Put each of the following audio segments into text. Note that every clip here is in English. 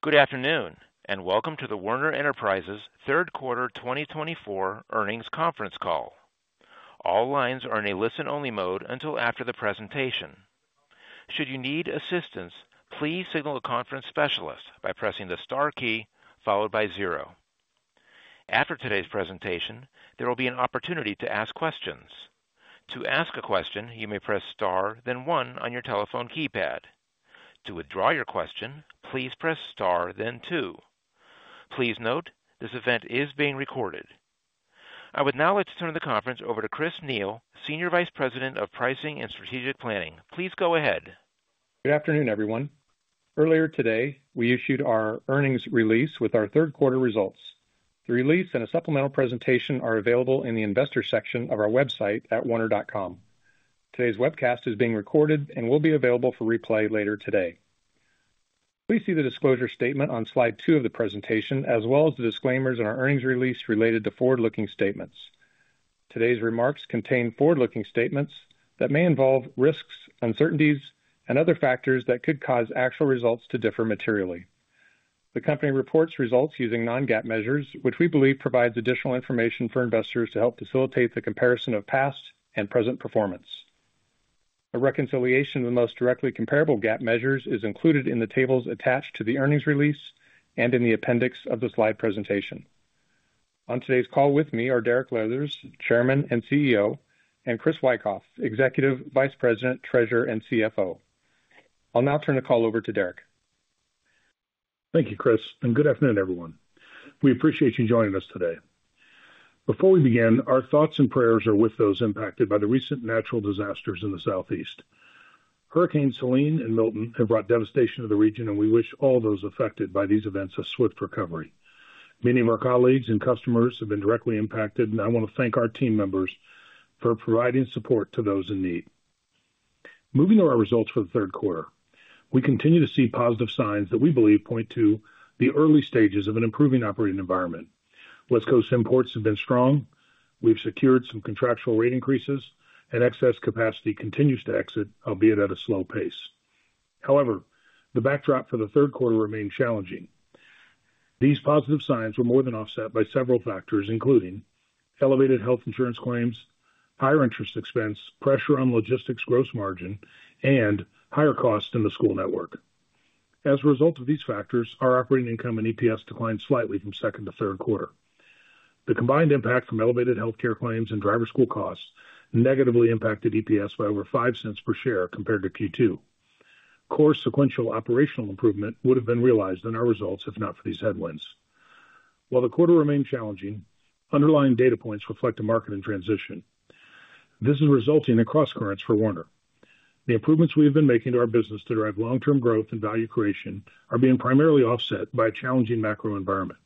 Good afternoon, and welcome to the Werner Enterprises third quarter 2024 earnings conference call. All lines are in a listen-only mode until after the presentation. Should you need assistance, please signal a conference specialist by pressing the star key followed by zero. After today's presentation, there will be an opportunity to ask questions. To ask a question, you may press star, then one on your telephone keypad. To withdraw your question, please press star, then two. Please note, this event is being recorded. I would now like to turn the conference over to Chris Neal, Senior Vice President of Pricing and Strategic Planning. Please go ahead. Good afternoon, everyone. Earlier today, we issued our earnings release with our third quarter results. The release and a supplemental presentation are available in the investor section of our website at werner.com. Today's webcast is being recorded and will be available for replay later today. Please see the disclosure statement on slide two of the presentation, as well as the disclaimers in our earnings release related to forward-looking statements. Today's remarks contain forward-looking statements that may involve risks, uncertainties, and other factors that could cause actual results to differ materially. The company reports results using non-GAAP measures, which we believe provides additional information for investors to help facilitate the comparison of past and present performance. A reconciliation of the most directly comparable GAAP measures is included in the tables attached to the earnings release and in the appendix of the slide presentation. On today's call with me are Derek Leathers, Chairman and CEO, and Chris Wikoff, Executive Vice President, Treasurer, and CFO. I'll now turn the call over to Derek. Thank you, Chris, and good afternoon, everyone. We appreciate you joining us today. Before we begin, our thoughts and prayers are with those impacted by the recent natural disasters in the Southeast. Hurricanes Helene and Milton have brought devastation to the region, and we wish all those affected by these events a swift recovery. Many of our colleagues and customers have been directly impacted, and I want to thank our team members for providing support to those in need. Moving to our results for the third quarter, we continue to see positive signs that we believe point to the early stages of an improving operating environment. West Coast imports have been strong. We've secured some contractual rate increases, and excess capacity continues to exit, albeit at a slow pace. However, the backdrop for the third quarter remains challenging. These positive signs were more than offset by several factors, including elevated health insurance claims, higher interest expense, pressure on logistics gross margin, and higher costs in the school network. As a result of these factors, our operating income and EPS declined slightly from second to third quarter. The combined impact from elevated healthcare claims and driver's school costs negatively impacted EPS by over five cents per share compared to Q2. Core sequential operational improvement would have been realized in our results if not for these headwinds. While the quarter remained challenging, underlying data points reflect a market transition. This is resulting in cross currents for Werner. The improvements we have been making to our business to drive long-term growth and value creation are being primarily offset by a challenging macro environment.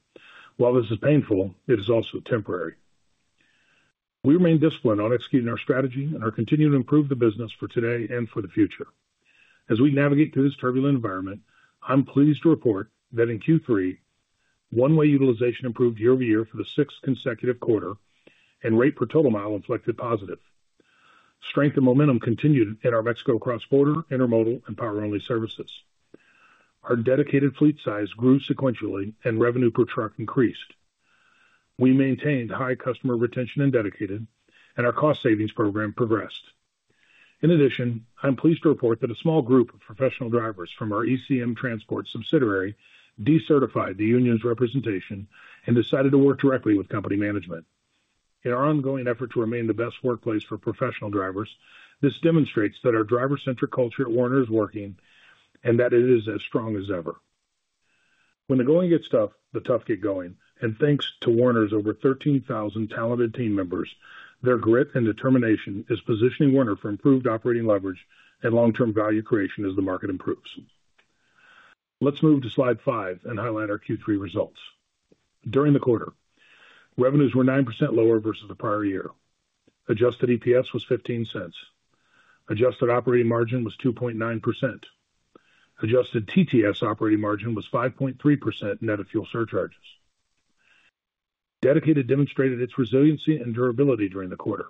While this is painful, it is also temporary. We remain disciplined on executing our strategy and are continuing to improve the business for today and for the future. As we navigate through this turbulent environment, I'm pleased to report that in Q3, one-way utilization improved year over year for the sixth consecutive quarter, and rate per total mile inflected positive. Strength and momentum continued in our Mexico cross-border, intermodal, and power-only services. Our dedicated fleet size grew sequentially, and revenue per truck increased. We maintained high customer retention in dedicated, and our cost savings program progressed. In addition, I'm pleased to report that a small group of professional drivers from our ECM Transport subsidiary decertified the union's representation and decided to work directly with company management. In our ongoing effort to remain the best workplace for professional drivers, this demonstrates that our driver-centric culture at Werner is working and that it is as strong as ever. When the going gets tough, the tough get going, and thanks to Werner's over 13,000 talented team members, their grit and determination is positioning Werner for improved operating leverage and long-term value creation as the market improves. Let's move to slide five and highlight our Q3 results. During the quarter, revenues were 9% lower versus the prior year. Adjusted EPS was $0.15. Adjusted operating margin was 2.9%. Adjusted TTS operating margin was 5.3% net of fuel surcharges. Dedicated demonstrated its resiliency and durability during the quarter.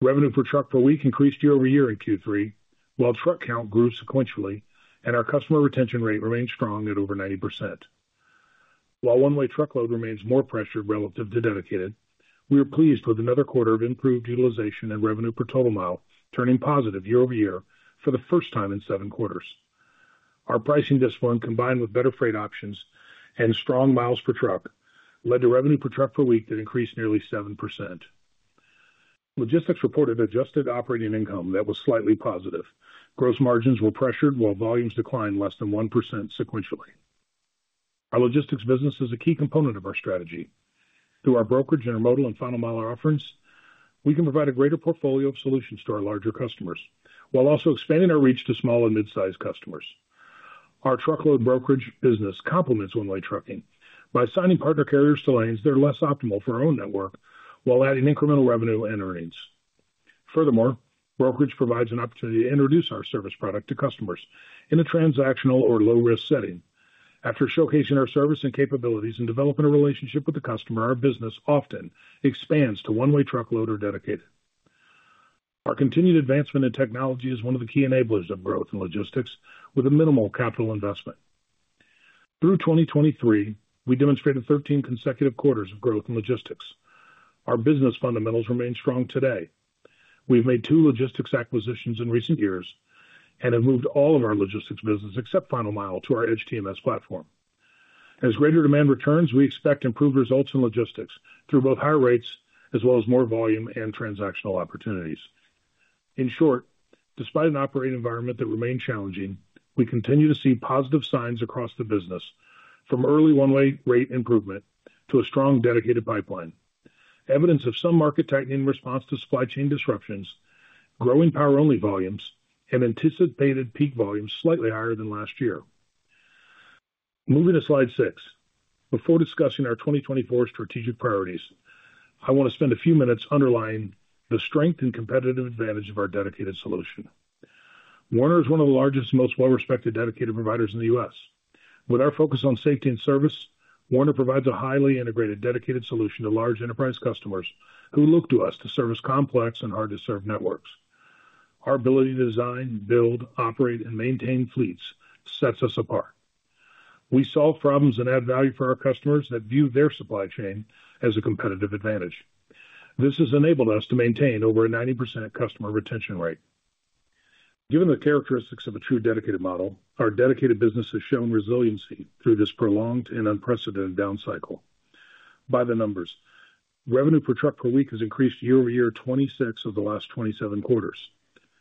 Revenue per truck per week increased year over year in Q3, while truck count grew sequentially, and our customer retention rate remained strong at over 90%. While one-way truckload remains more pressured relative to dedicated, we are pleased with another quarter of improved utilization and revenue per total mile, turning positive year over year for the first time in seven quarters. Our pricing discipline combined with better freight options and strong miles per truck led to revenue per truck per week that increased nearly 7%. Logistics reported adjusted operating income that was slightly positive. Gross margins were pressured while volumes declined less than 1% sequentially. Our logistics business is a key component of our strategy. Through our brokerage and our intermodal and final mile offerings, we can provide a greater portfolio of solutions to our larger customers, while also expanding our reach to small and mid-sized customers. Our truckload brokerage business complements one-way trucking by assigning partner carriers to lanes that are less optimal for our own network, while adding incremental revenue and earnings. Furthermore, brokerage provides an opportunity to introduce our service product to customers in a transactional or low-risk setting. After showcasing our service and capabilities and developing a relationship with the customer, our business often expands to one-way truckload or dedicated. Our continued advancement in technology is one of the key enablers of growth in logistics with a minimal capital investment. Through 2023, we demonstrated 13 consecutive quarters of growth in logistics. Our business fundamentals remain strong today. We've made two logistics acquisitions in recent years and have moved all of our logistics business except final mile to our EDGE TMS platform. As greater demand returns, we expect improved results in logistics through both higher rates as well as more volume and transactional opportunities. In short, despite an operating environment that remained challenging, we continue to see positive signs across the business from early one-way rate improvement to a strong dedicated pipeline. Evidence of some market tightening in response to supply chain disruptions, growing power-only volumes, and anticipated peak volumes slightly higher than last year. Moving to slide six, before discussing our 2024 strategic priorities, I want to spend a few minutes underlining the strength and competitive advantage of our dedicated solution. Werner is one of the largest and most well-respected dedicated providers in the U.S. With our focus on safety and service, Werner provides a highly integrated dedicated solution to large enterprise customers who look to us to service complex and hard-to-serve networks. Our ability to design, build, operate, and maintain fleets sets us apart. We solve problems and add value for our customers that view their supply chain as a competitive advantage. This has enabled us to maintain over a 90% customer retention rate. Given the characteristics of a true dedicated model, our dedicated business has shown resiliency through this prolonged and unprecedented down cycle. By the numbers, revenue per truck per week has increased year over year 26 of the last 27 quarters,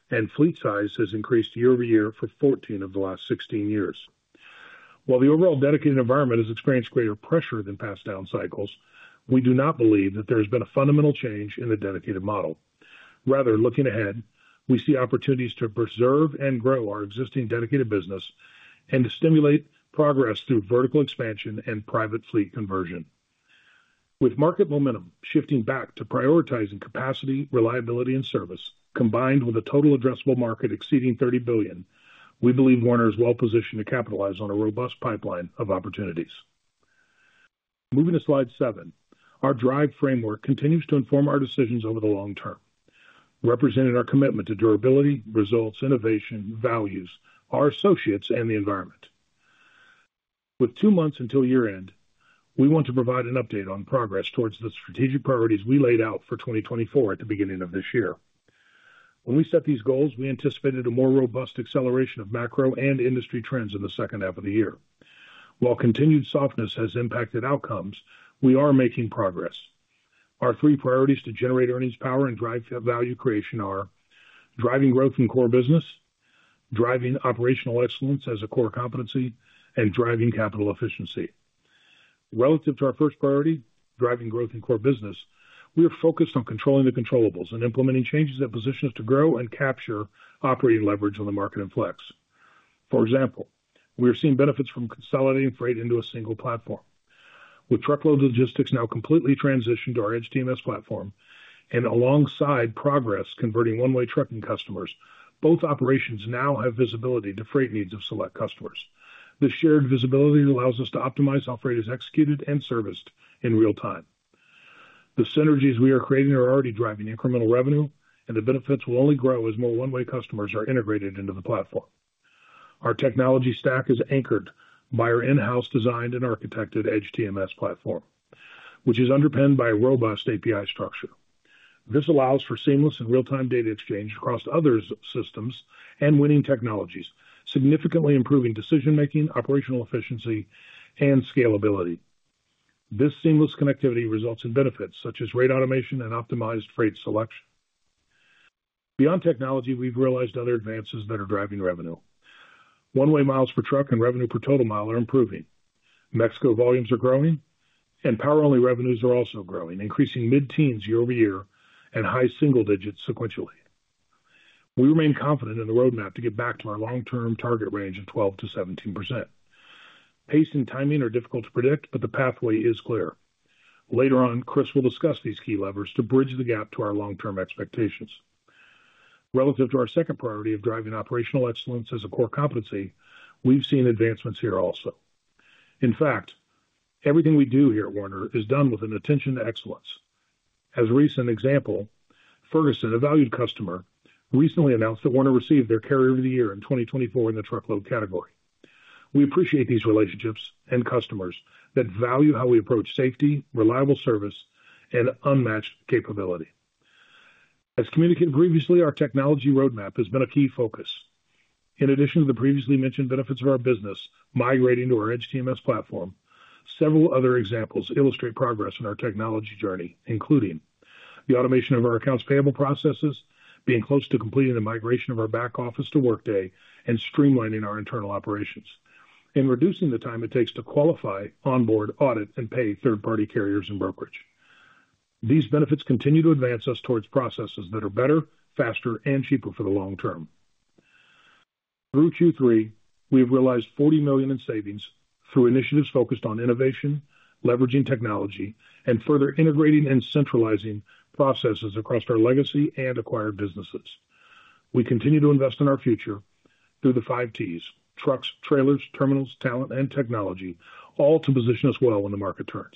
and fleet size has increased year over year for 14 of the last 16 years. While the overall dedicated environment has experienced greater pressure than past down cycles, we do not believe that there has been a fundamental change in the dedicated model. Rather, looking ahead, we see opportunities to preserve and grow our existing dedicated business and to stimulate progress through vertical expansion and private fleet conversion. With market momentum shifting back to prioritizing capacity, reliability, and service, combined with a total addressable market exceeding $30 billion, we believe Werner is well-positioned to capitalize on a robust pipeline of opportunities. Moving to slide seven, our DRIVE framework continues to inform our decisions over the long term, representing our commitment to durability, results, innovation, values, our associates, and the environment. With two months until year-end, we want to provide an update on progress towards the strategic priorities we laid out for 2024 at the beginning of this year. When we set these goals, we anticipated a more robust acceleration of macro and industry trends in the second half of the year. While continued softness has impacted outcomes, we are making progress. Our three priorities to generate earnings power and drive value creation are driving growth in core business, driving operational excellence as a core competency, and driving capital efficiency. Relative to our first priority, driving growth in core business, we are focused on controlling the controllables and implementing changes that position us to grow and capture operating leverage on the market inflex. For example, we are seeing benefits from consolidating freight into a single platform. With truckload logistics now completely transitioned to our EDGE TMS platform and alongside progress converting one-way trucking customers, both operations now have visibility to freight needs of select customers. The shared visibility allows us to optimize how freight is executed and serviced in real time. The synergies we are creating are already driving incremental revenue, and the benefits will only grow as more one-way customers are integrated into the platform. Our technology stack is anchored by our in-house designed and architected EDGE TMS platform, which is underpinned by a robust API structure. This allows for seamless and real-time data exchange across other systems and winning technologies, significantly improving decision-making, operational efficiency, and scalability. This seamless connectivity results in benefits such as rate automation and optimized freight selection. Beyond technology, we've realized other advances that are driving revenue. One-way miles per truck and revenue per total mile are improving. Mexico volumes are growing, and power-only revenues are also growing, increasing mid-teens year over year and high single digits sequentially. We remain confident in the roadmap to get back to our long-term target range of 12%-17%. Pace and timing are difficult to predict, but the pathway is clear. Later on, Chris will discuss these key levers to bridge the gap to our long-term expectations. Relative to our second priority of driving operational excellence as a core competency, we've seen advancements here also. In fact, everything we do here at Werner is done with an attention to excellence. As a recent example, Ferguson, a valued customer, recently announced that Werner received their Carrier of the Year in 2024 in the truckload category. We appreciate these relationships and customers that value how we approach safety, reliable service, and unmatched capability. As communicated previously, our technology roadmap has been a key focus. In addition to the previously mentioned benefits of our business migrating to our EDGE TMS platform, several other examples illustrate progress in our technology journey, including the automation of our accounts payable processes, being close to completing the migration of our back office to Workday, and streamlining our internal operations, and reducing the time it takes to qualify, onboard, audit, and pay third-party carriers and brokerage. These benefits continue to advance us towards processes that are better, faster, and cheaper for the long term. Through Q3, we've realized $40 million in savings through initiatives focused on innovation, leveraging technology, and further integrating and centralizing processes across our legacy and acquired businesses. We continue to invest in our future through the 5 Ts: trucks, trailers, terminals, talent, and technology, all to position us well when the market turns,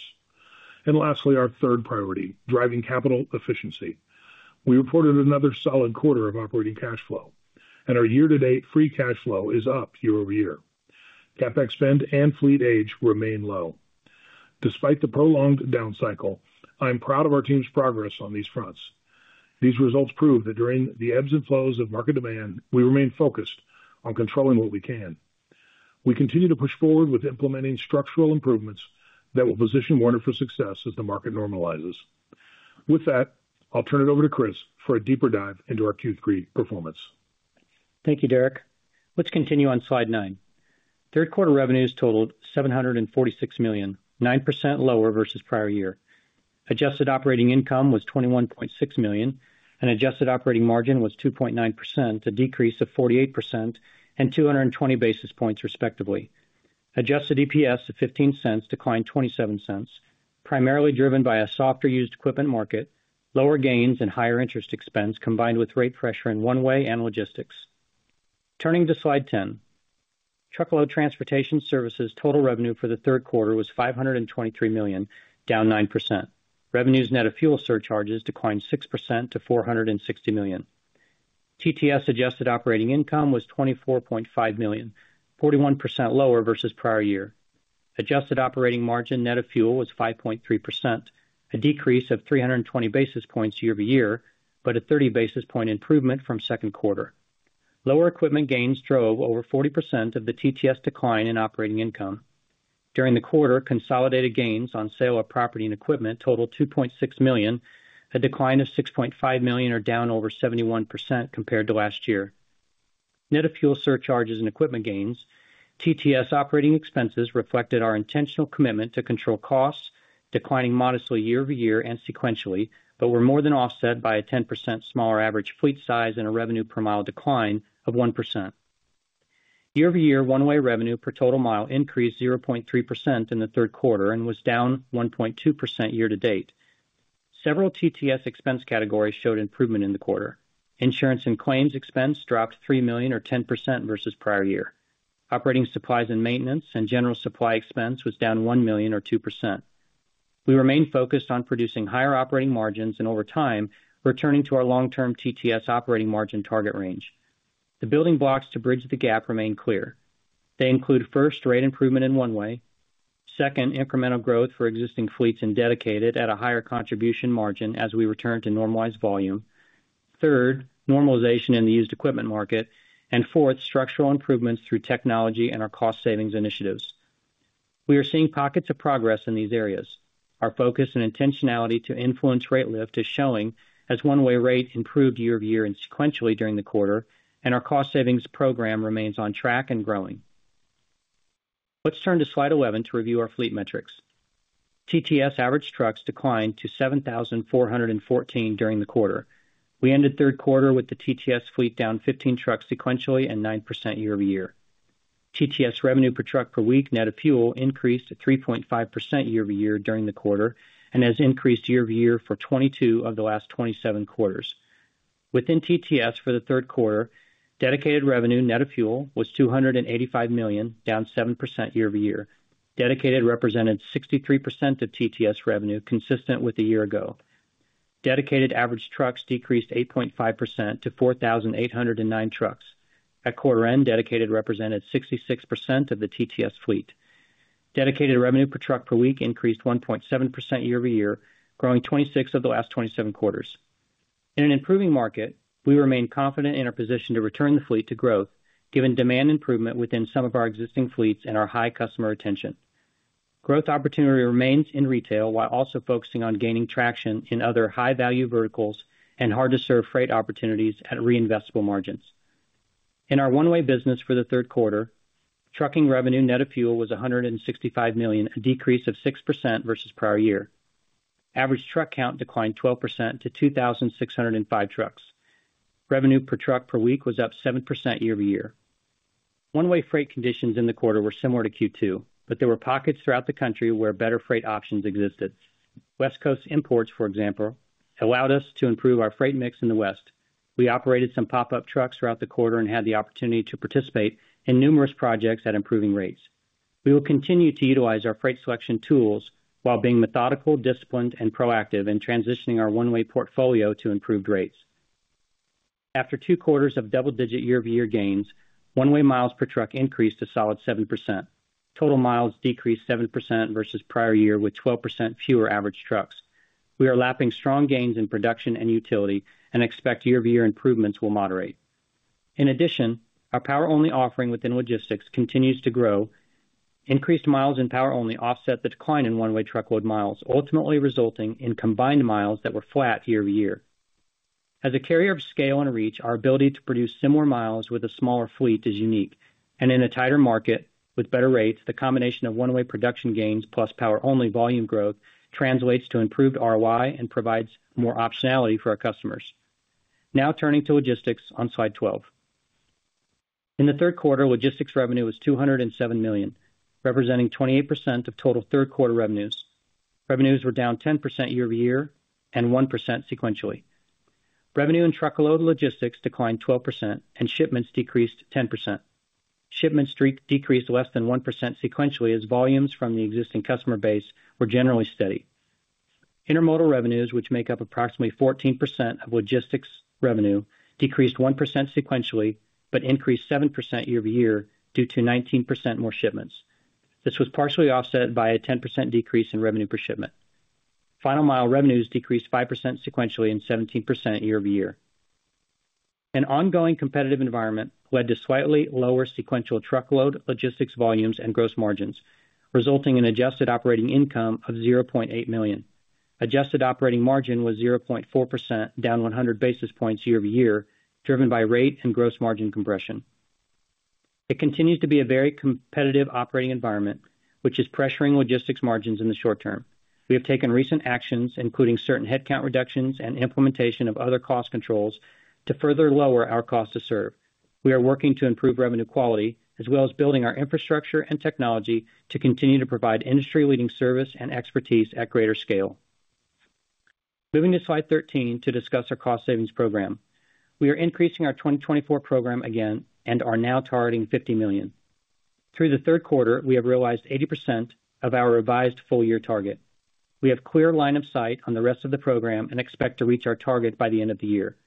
and lastly, our third priority, driving capital efficiency. We reported another solid quarter of operating cash flow, and our year-to-date free cash flow is up year over year. CapEx spend and fleet age remain low. Despite the prolonged down cycle, I'm proud of our team's progress on these fronts. These results prove that during the ebbs and flows of market demand, we remain focused on controlling what we can. We continue to push forward with implementing structural improvements that will position Werner for success as the market normalizes. With that, I'll turn it over to Chris for a deeper dive into our Q3 performance. Thank you, Derek. Let's continue on slide nine. Third quarter revenues totaled $746 million, 9% lower versus prior year. Adjusted operating income was $21.6 million, and adjusted operating margin was 2.9%, a decrease of 48% and 220 basis points respectively. Adjusted EPS of $0.15 declined $0.27, primarily driven by a softer used equipment market, lower gains, and higher interest expense combined with rate pressure in one-way and logistics. Turning to slide 10, Truckload Transportation Services total revenue for the third quarter was $523 million, down 9%. Revenues net of fuel surcharges declined 6% to $460 million. TTS adjusted operating income was $24.5 million, 41% lower versus prior year. Adjusted operating margin net of fuel was 5.3%, a decrease of 320 basis points year over year, but a 30 basis points improvement from second quarter. Lower equipment gains drove over 40% of the TTS decline in operating income. During the quarter, consolidated gains on sale of property and equipment totaled $2.6 million, a decline of $6.5 million or down over 71% compared to last year. Net of fuel surcharges and equipment gains, TTS operating expenses reflected our intentional commitment to control costs, declining modestly year over year and sequentially, but were more than offset by a 10% smaller average fleet size and a revenue per mile decline of 1%. Year-over-year, one-way revenue per total mile increased 0.3% in the third quarter and was down 1.2% year-to-date. Several TTS expense categories showed improvement in the quarter. Insurance and claims expense dropped $3 million or 10% versus prior year. Operating supplies and maintenance and general supply expense was down $1 million or 2%. We remained focused on producing higher operating margins and over time returning to our long-term TTS operating margin target range. The building blocks to bridge the gap remain clear. They include first, rate improvement in one-way; second, incremental growth for existing fleets and dedicated at a higher contribution margin as we return to normalized volume; third, normalization in the used equipment market; and fourth, structural improvements through technology and our cost savings initiatives. We are seeing pockets of progress in these areas. Our focus and intentionality to influence rate lift is showing as one-way rate improved year-over-year and sequentially during the quarter, and our cost savings program remains on track and growing. Let's turn to slide 11 to review our fleet metrics. TTS average trucks declined to 7,414 during the quarter. We ended third quarter with the TTS fleet down 15 trucks sequentially and 9% year-over-year. TTS revenue per truck per week net of fuel increased 3.5% year-over-year during the quarter and has increased year-over-year for 22 of the last 27 quarters. Within TTS for the third quarter, dedicated revenue net of fuel was $285 million, down 7% year-over-year. Dedicated represented 63% of TTS revenue, consistent with a year ago. Dedicated average trucks decreased 8.5% to 4,809 trucks. At quarter-end, dedicated represented 66% of the TTS fleet. Dedicated revenue per truck per week increased 1.7% year-over-year, growing 26 of the last 27 quarters. In an improving market, we remain confident in our position to return the fleet to growth, given demand improvement within some of our existing fleets and our high customer retention. Growth opportunity remains in retail while also focusing on gaining traction in other high-value verticals and hard-to-serve freight opportunities at reinvestable margins. In our one-way business for the third quarter, trucking revenue net of fuel was $165 million, a decrease of 6% versus prior year. Average truck count declined 12% to 2,605 trucks. Revenue per truck per week was up 7% year-over-year. One-way freight conditions in the quarter were similar to Q2, but there were pockets throughout the country where better freight options existed. West Coast imports, for example, allowed us to improve our freight mix in the west. We operated some pop-up trucks throughout the quarter and had the opportunity to participate in numerous projects at improving rates. We will continue to utilize our freight selection tools while being methodical, disciplined, and proactive in transitioning our one-way portfolio to improved rates. After two quarters of double-digit year-over-year gains, one-way miles per truck increased a solid 7%. Total miles decreased 7% versus prior year, with 12% fewer average trucks. We are lapping strong gains in production and utility and expect year-over-year improvements will moderate. In addition, our power-only offering within logistics continues to grow. Increased miles in power-only offset the decline in one-way truckload miles, ultimately resulting in combined miles that were flat year-over-year. As a carrier of scale and reach, our ability to produce similar miles with a smaller fleet is unique, and in a tighter market with better rates, the combination of one-way production gains plus power-only volume growth translates to improved ROI and provides more optionality for our customers. Now turning to logistics on slide 12. In the third quarter, logistics revenue was $207 million, representing 28% of total third quarter revenues. Revenues were down 10% year-over-year and 1% sequentially. Revenue in truckload logistics declined 12%, and shipments decreased 10%. Shipments decreased less than 1% sequentially as volumes from the existing customer base were generally steady. Intermodal revenues, which make up approximately 14% of logistics revenue, decreased 1% sequentially but increased 7% year-over-year due to 19% more shipments. This was partially offset by a 10% decrease in revenue per shipment. Final mile revenues decreased 5% sequentially and 17% year-over-year. An ongoing competitive environment led to slightly lower sequential truckload, logistics volumes, and gross margins, resulting in adjusted operating income of $0.8 million. Adjusted operating margin was 0.4%, down 100 basis points year-over-year, driven by rate and gross margin compression. It continues to be a very competitive operating environment, which is pressuring logistics margins in the short term. We have taken recent actions, including certain headcount reductions and implementation of other cost controls, to further lower our cost to serve. We are working to improve revenue quality as well as building our infrastructure and technology to continue to provide industry-leading service and expertise at greater scale. Moving to slide 13 to discuss our cost savings program. We are increasing our 2024 program again and are now targeting $50 million. Through the third quarter, we have realized 80% of our revised full-year target. We have a clear line of sight on the rest of the program and expect to reach our target by the end of the year.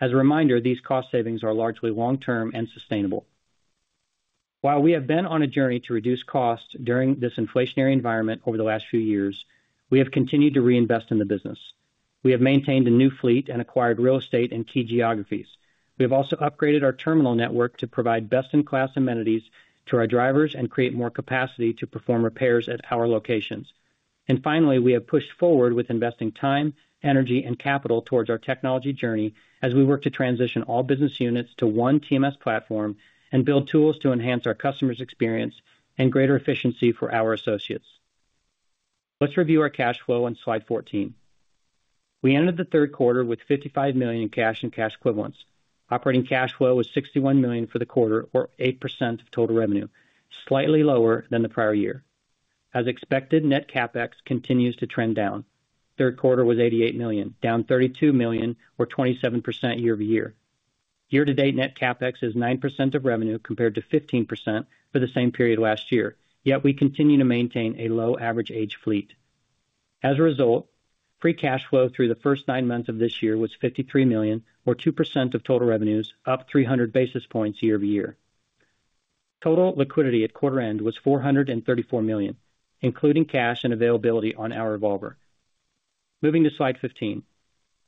As a reminder, these cost savings are largely long-term and sustainable. While we have been on a journey to reduce costs during this inflationary environment over the last few years, we have continued to reinvest in the business. We have maintained a new fleet and acquired real estate in key geographies. We have also upgraded our terminal network to provide best-in-class amenities to our drivers and create more capacity to perform repairs at our locations, and finally, we have pushed forward with investing time, energy, and capital towards our technology journey as we work to transition all business units to one TMS platform and build tools to enhance our customer's experience and greater efficiency for our associates. Let's review our cash flow on slide 14. We ended the third quarter with $55 million in cash and cash equivalents. Operating cash flow was $61 million for the quarter, or 8% of total revenue, slightly lower than the prior year. As expected, net CapEx continues to trend down. Third quarter was $88 million, down $32 million, or 27% year-over-year. Year-to-date net CapEx is 9% of revenue compared to 15% for the same period last year, yet we continue to maintain a low average age fleet. As a result, free cash flow through the first nine months of this year was $53 million, or 2% of total revenues, up 300 basis points year-over-year. Total liquidity at quarter-end was $434 million, including cash and availability on our revolver. Moving to slide 15.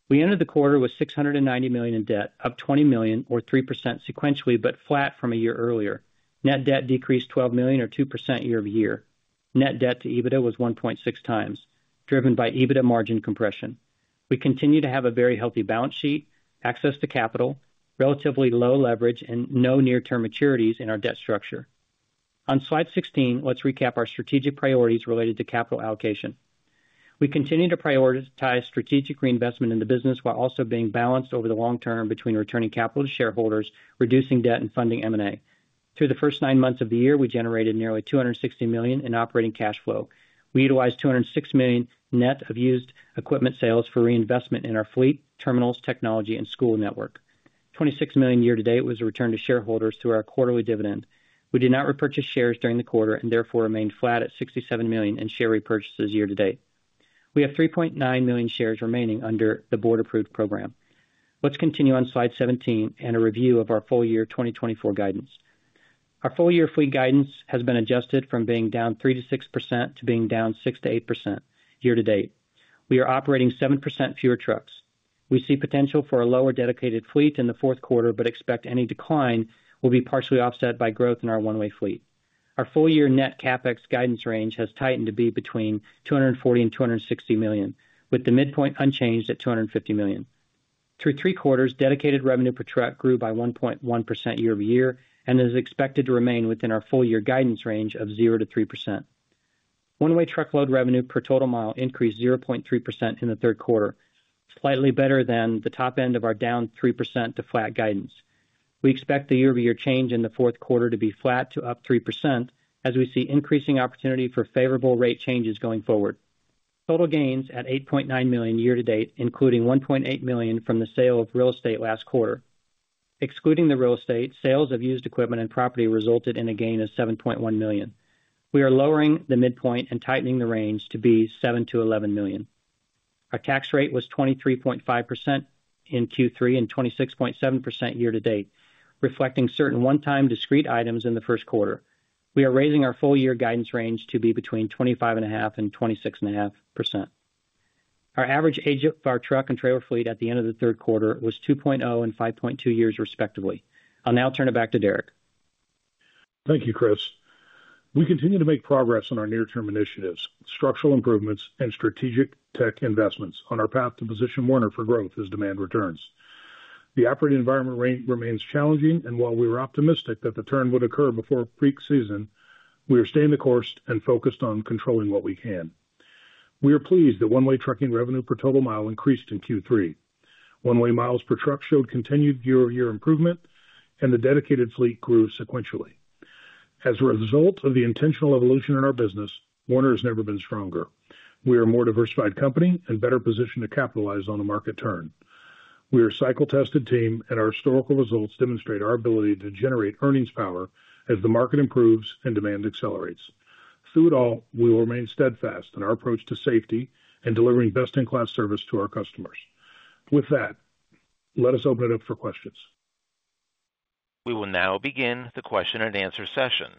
We ended the quarter with $690 million in debt, up $20 million, or 3% sequentially, but flat from a year earlier. Net debt decreased $12 million, or 2% year-over-year. Net debt to EBITDA was 1.6 times, driven by EBITDA margin compression. We continue to have a very healthy balance sheet, access to capital, relatively low leverage, and no near-term maturities in our debt structure. On slide 16, let's recap our strategic priorities related to capital allocation. We continue to prioritize strategic reinvestment in the business while also being balanced over the long term between returning capital to shareholders, reducing debt, and funding M&A. Through the first nine months of the year, we generated nearly $260 million in operating cash flow. We utilized $206 million net of used equipment sales for reinvestment in our fleet, terminals, technology, and school network. $26 million year-to-date was returned to shareholders through our quarterly dividend. We did not repurchase shares during the quarter and therefore remained flat at $67 million in share repurchases year-to-date. We have 3.9 million shares remaining under the board-approved program. Let's continue on slide 17 and a review of our full-year 2024 guidance. Our full-year fleet guidance has been adjusted from being down 3%-6% to being down 6%-8% year-to-date. We are operating 7% fewer trucks. We see potential for a lower dedicated fleet in the fourth quarter, but expect any decline will be partially offset by growth in our one-way fleet. Our full-year net CapEx guidance range has tightened to be between $240 million and $260 million, with the midpoint unchanged at $250 million. Through three quarters, dedicated revenue per truck grew by 1.1% year-over-year and is expected to remain within our full-year guidance range of 0 to 3%. One-way truckload revenue per total mile increased 0.3% in the third quarter, slightly better than the top end of our down 3% to flat guidance. We expect the year-over-year change in the fourth quarter to be flat to up 3% as we see increasing opportunity for favorable rate changes going forward. Total gains at $8.9 million year-to-date, including $1.8 million from the sale of real estate last quarter. Excluding the real estate, sales of used equipment and property resulted in a gain of $7.1 million. We are lowering the midpoint and tightening the range to be $7-$11 million. Our tax rate was 23.5% in Q3 and 26.7% year-to-date, reflecting certain one-time discrete items in the first quarter. We are raising our full-year guidance range to be between 25.5% and 26.5%. Our average age of our truck and trailer fleet at the end of the third quarter was 2.0 and 5.2 years, respectively. I'll now turn it back to Derek. Thank you, Chris. We continue to make progress on our near-term initiatives, structural improvements, and strategic tech investments on our path to position Werner for growth as demand returns. The operating environment remains challenging, and while we were optimistic that the turn would occur before peak season, we are staying the course and focused on controlling what we can. We are pleased that one-way trucking revenue per total mile increased in Q3. One-way miles per truck showed continued year-over-year improvement, and the dedicated fleet grew sequentially. As a result of the intentional evolution in our business, Werner has never been stronger. We are a more diversified company and better positioned to capitalize on a market turn. We are a cycle-tested team, and our historical results demonstrate our ability to generate earnings power as the market improves and demand accelerates. Through it all, we will remain steadfast in our approach to safety and delivering best-in-class service to our customers. With that, let us open it up for questions. We will now begin the question-and-answer session.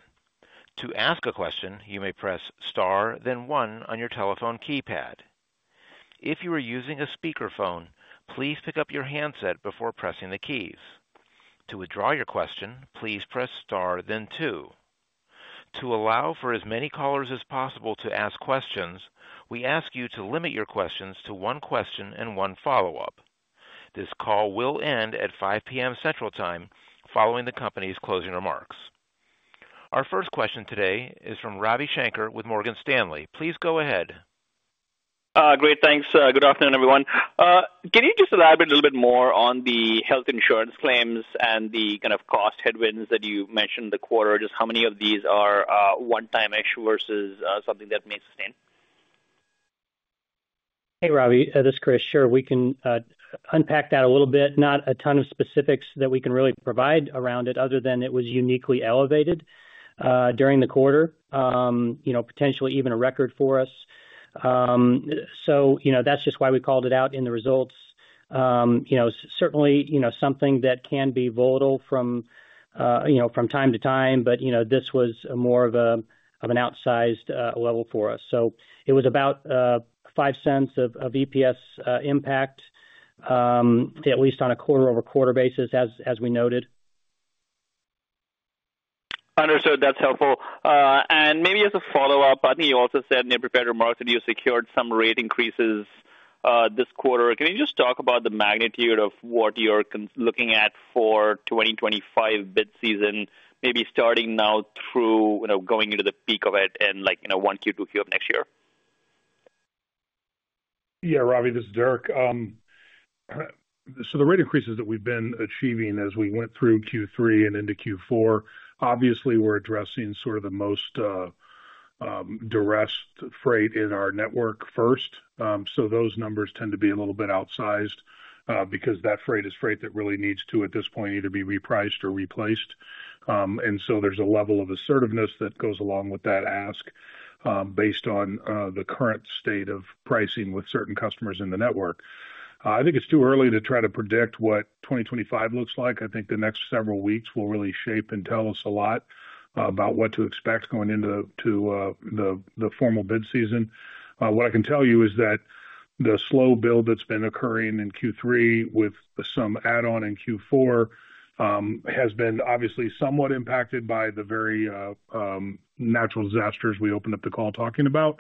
To ask a question, you may press Star, then 1 on your telephone keypad. If you are using a speakerphone, please pick up your handset before pressing the keys. To withdraw your question, please press Star, then 2. To allow for as many callers as possible to ask questions, we ask you to limit your questions to one question and one follow-up. This call will end at 5:00 P.M. Central Time following the company's closing remarks. Our first question today is from Ravi Shanker with Morgan Stanley. Please go ahead. Great. Thanks. Good afternoon, everyone. Can you just elaborate a little bit more on the health insurance claims and the kind of cost headwinds that you mentioned in the quarter? Just how many of these are one-time-ish versus something that may sustain? Hey, Ravi. This is Chris. Sure. We can unpack that a little bit. Not a ton of specifics that we can really provide around it other than it was uniquely elevated during the quarter, potentially even a record for us, so that's just why we called it out in the results. Certainly, something that can be volatile from time to time, but this was more of an outsized level for us, so it was about $0.05 of EPS impact, at least on a quarter-over-quarter basis, as we noted. Understood. That's helpful, and maybe as a follow-up, I think you also said in your prepared remarks that you secured some rate increases this quarter. Can you just talk about the magnitude of what you're looking at for 2025 bid season, maybe starting now through going into the peak of it in Q2, Q3 of next year? Yeah, Ravi, this is Derek. So the rate increases that we've been achieving as we went through Q3 and into Q4, obviously, we're addressing sort of the most distressed freight in our network first. So those numbers tend to be a little bit outsized because that freight is freight that really needs to, at this point, either be repriced or replaced. And so there's a level of assertiveness that goes along with that ask based on the current state of pricing with certain customers in the network. I think it's too early to try to predict what 2025 looks like. I think the next several weeks will really shape and tell us a lot about what to expect going into the formal bid season. What I can tell you is that the slow build that's been occurring in Q3 with some add-on in Q4 has been obviously somewhat impacted by the very natural disasters we opened up the call talking about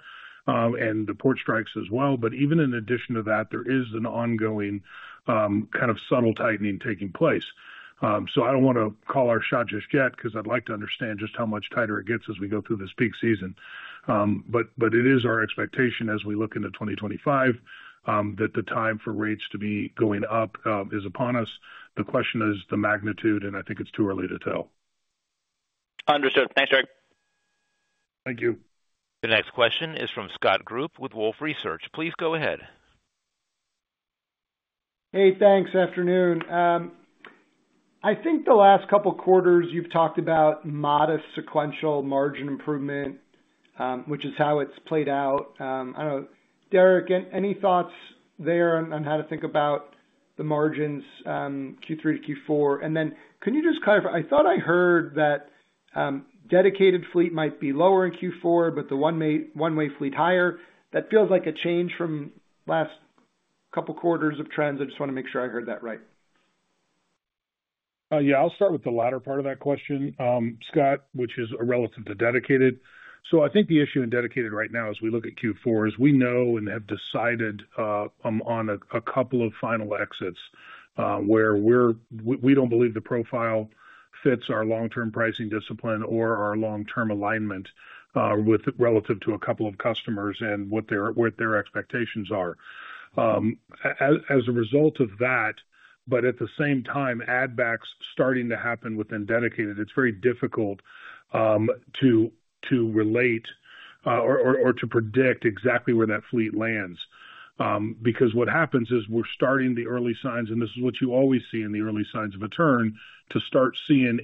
and the port strikes as well. But even in addition to that, there is an ongoing kind of subtle tightening taking place. So I don't want to call our shot just yet because I'd like to understand just how much tighter it gets as we go through this peak season. But it is our expectation as we look into 2025 that the time for rates to be going up is upon us. The question is the magnitude, and I think it's too early to tell. Understood. Thanks, Derek. Thank you. The next question is from Scott Group with Wolfe Research. Please go ahead. Hey, thanks. Afternoon. I think the last couple of quarters you've talked about modest sequential margin improvement, which is how it's played out. I don't know. Derek, any thoughts there on how to think about the margins Q3 to Q4? And then can you just clarify? I thought I heard that dedicated fleet might be lower in Q4, but the one-way fleet higher. That feels like a change from last couple of quarters of trends. I just want to make sure I heard that right. Yeah. I'll start with the latter part of that question, Scott, which is relative to dedicated. So I think the issue in dedicated right now as we look at Q4 is we know and have decided on a couple of final exits where we don't believe the profile fits our long-term pricing discipline or our long-term alignment relative to a couple of customers and what their expectations are. As a result of that, but at the same time, add-backs starting to happen within dedicated, it's very difficult to relate or to predict exactly where that fleet lands because what happens is we're starting the early signs, and this is what you always see in the early signs of a turn, to start seeing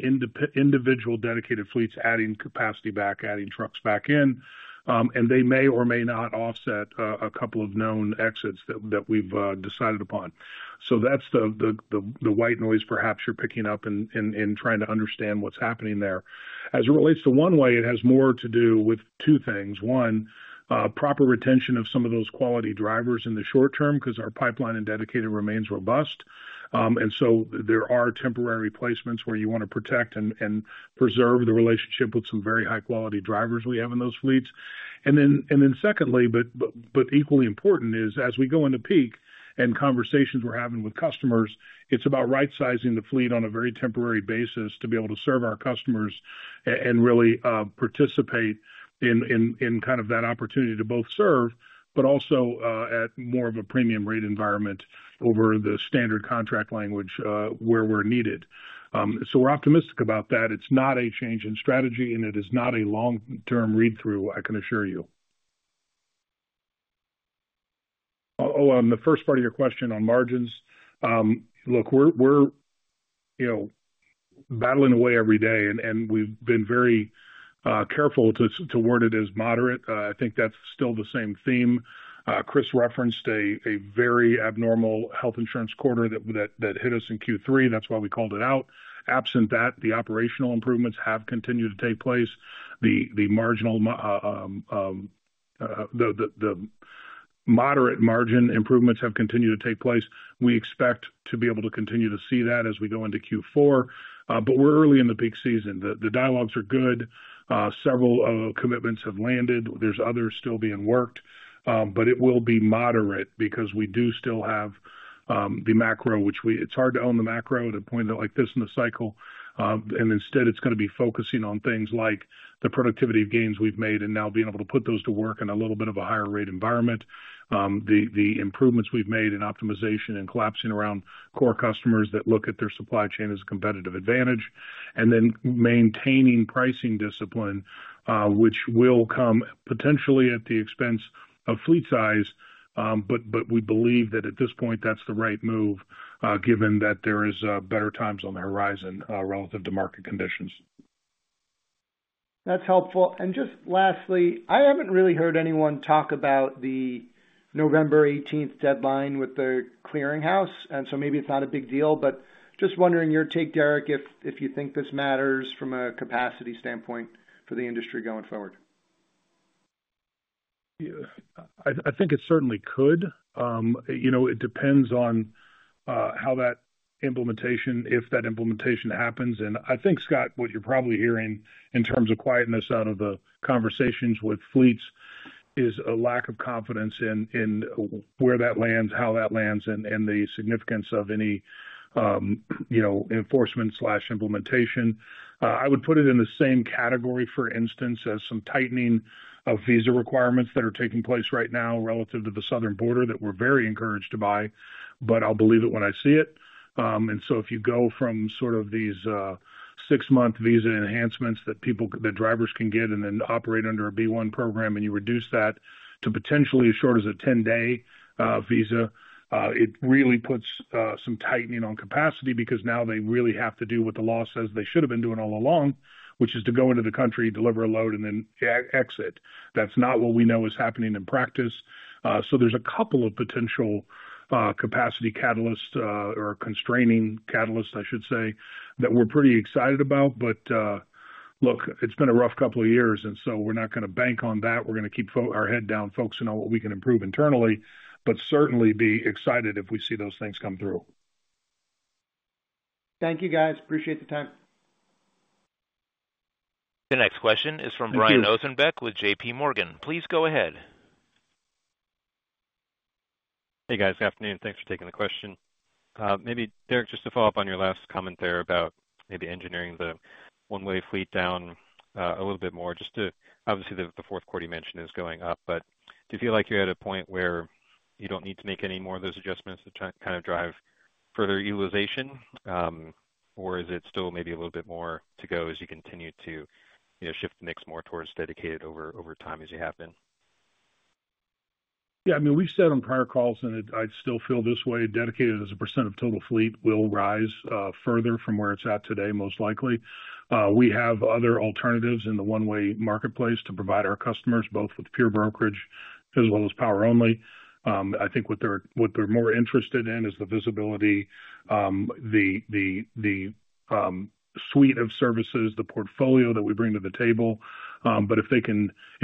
individual dedicated fleets adding capacity back, adding trucks back in, and they may or may not offset a couple of known exits that we've decided upon. So that's the white noise perhaps you're picking up in trying to understand what's happening there. As it relates to one way, it has more to do with two things. One, proper retention of some of those quality drivers in the short term because our pipeline in dedicated remains robust. And so there are temporary placements where you want to protect and preserve the relationship with some very high-quality drivers we have in those fleets. And then secondly, but equally important is as we go into peak and conversations we're having with customers, it's about right-sizing the fleet on a very temporary basis to be able to serve our customers and really participate in kind of that opportunity to both serve, but also at more of a premium rate environment over the standard contract language where we're needed. So we're optimistic about that. It's not a change in strategy, and it is not a long-term read-through, I can assure you. Oh, on the first part of your question on margins, look, we're battling away every day, and we've been very careful to word it as moderate. I think that's still the same theme. Chris referenced a very abnormal health insurance quarter that hit us in Q3. That's why we called it out. Absent that, the operational improvements have continued to take place. The moderate margin improvements have continued to take place. We expect to be able to continue to see that as we go into Q4, but we're early in the peak season. The dialogues are good. Several commitments have landed. There's others still being worked, but it will be moderate because we do still have the macro, which, it's hard to own the macro at a point like this in the cycle. And instead, it's going to be focusing on things like the productivity gains we've made and now being able to put those to work in a little bit of a higher rate environment, the improvements we've made in optimization and collapsing around core customers that look at their supply chain as a competitive advantage, and then maintaining pricing discipline, which will come potentially at the expense of fleet size. But we believe that at this point, that's the right move given that there are better times on the horizon relative to market conditions. That's helpful. And just lastly, I haven't really heard anyone talk about the November 18th deadline with the Clearinghouse. And so maybe it's not a big deal, but just wondering your take, Derek, if you think this matters from a capacity standpoint for the industry going forward. I think it certainly could. It depends on how that implementation, if that implementation happens, and I think, Scott, what you're probably hearing in terms of quietness out of the conversations with fleets is a lack of confidence in where that lands, how that lands, and the significance of any enforcement or implementation. I would put it in the same category, for instance, as some tightening of visa requirements that are taking place right now relative to the southern border that we're very encouraged by, but I'll believe it when I see it. And so if you go from sort of these six-month visa enhancements that drivers can get and then operate under a B-1 program, and you reduce that to potentially as short as a 10-day visa, it really puts some tightening on capacity because now they really have to do what the law says they should have been doing all along, which is to go into the country, deliver a load, and then exit. That's not what we know is happening in practice. So there's a couple of potential capacity catalysts or constraining catalysts, I should say, that we're pretty excited about. But look, it's been a rough couple of years, and so we're not going to bank on that. We're going to keep our head down, focusing on what we can improve internally, but certainly be excited if we see those things come through. Thank you, guys. Appreciate the time. The next question is from Brian Ossenbeck with J.P. Morgan. Please go ahead. Hey, guys. Good afternoon. Thanks for taking the question. Maybe, Derek, just to follow up on your last comment there about maybe engineering the one-way fleet down a little bit more. Obviously, the fourth quarter you mentioned is going up, but do you feel like you're at a point where you don't need to make any more of those adjustments to kind of drive further utilization, or is it still maybe a little bit more to go as you continue to shift the mix more towards dedicated over time as you have? Yeah. I mean, we've said on prior calls, and I still feel this way. Dedicated as a percent of total fleet will rise further from where it's at today, most likely. We have other alternatives in the one-way marketplace to provide our customers both with pure brokerage as well as power-only. I think what they're more interested in is the visibility, the suite of services, the portfolio that we bring to the table. But if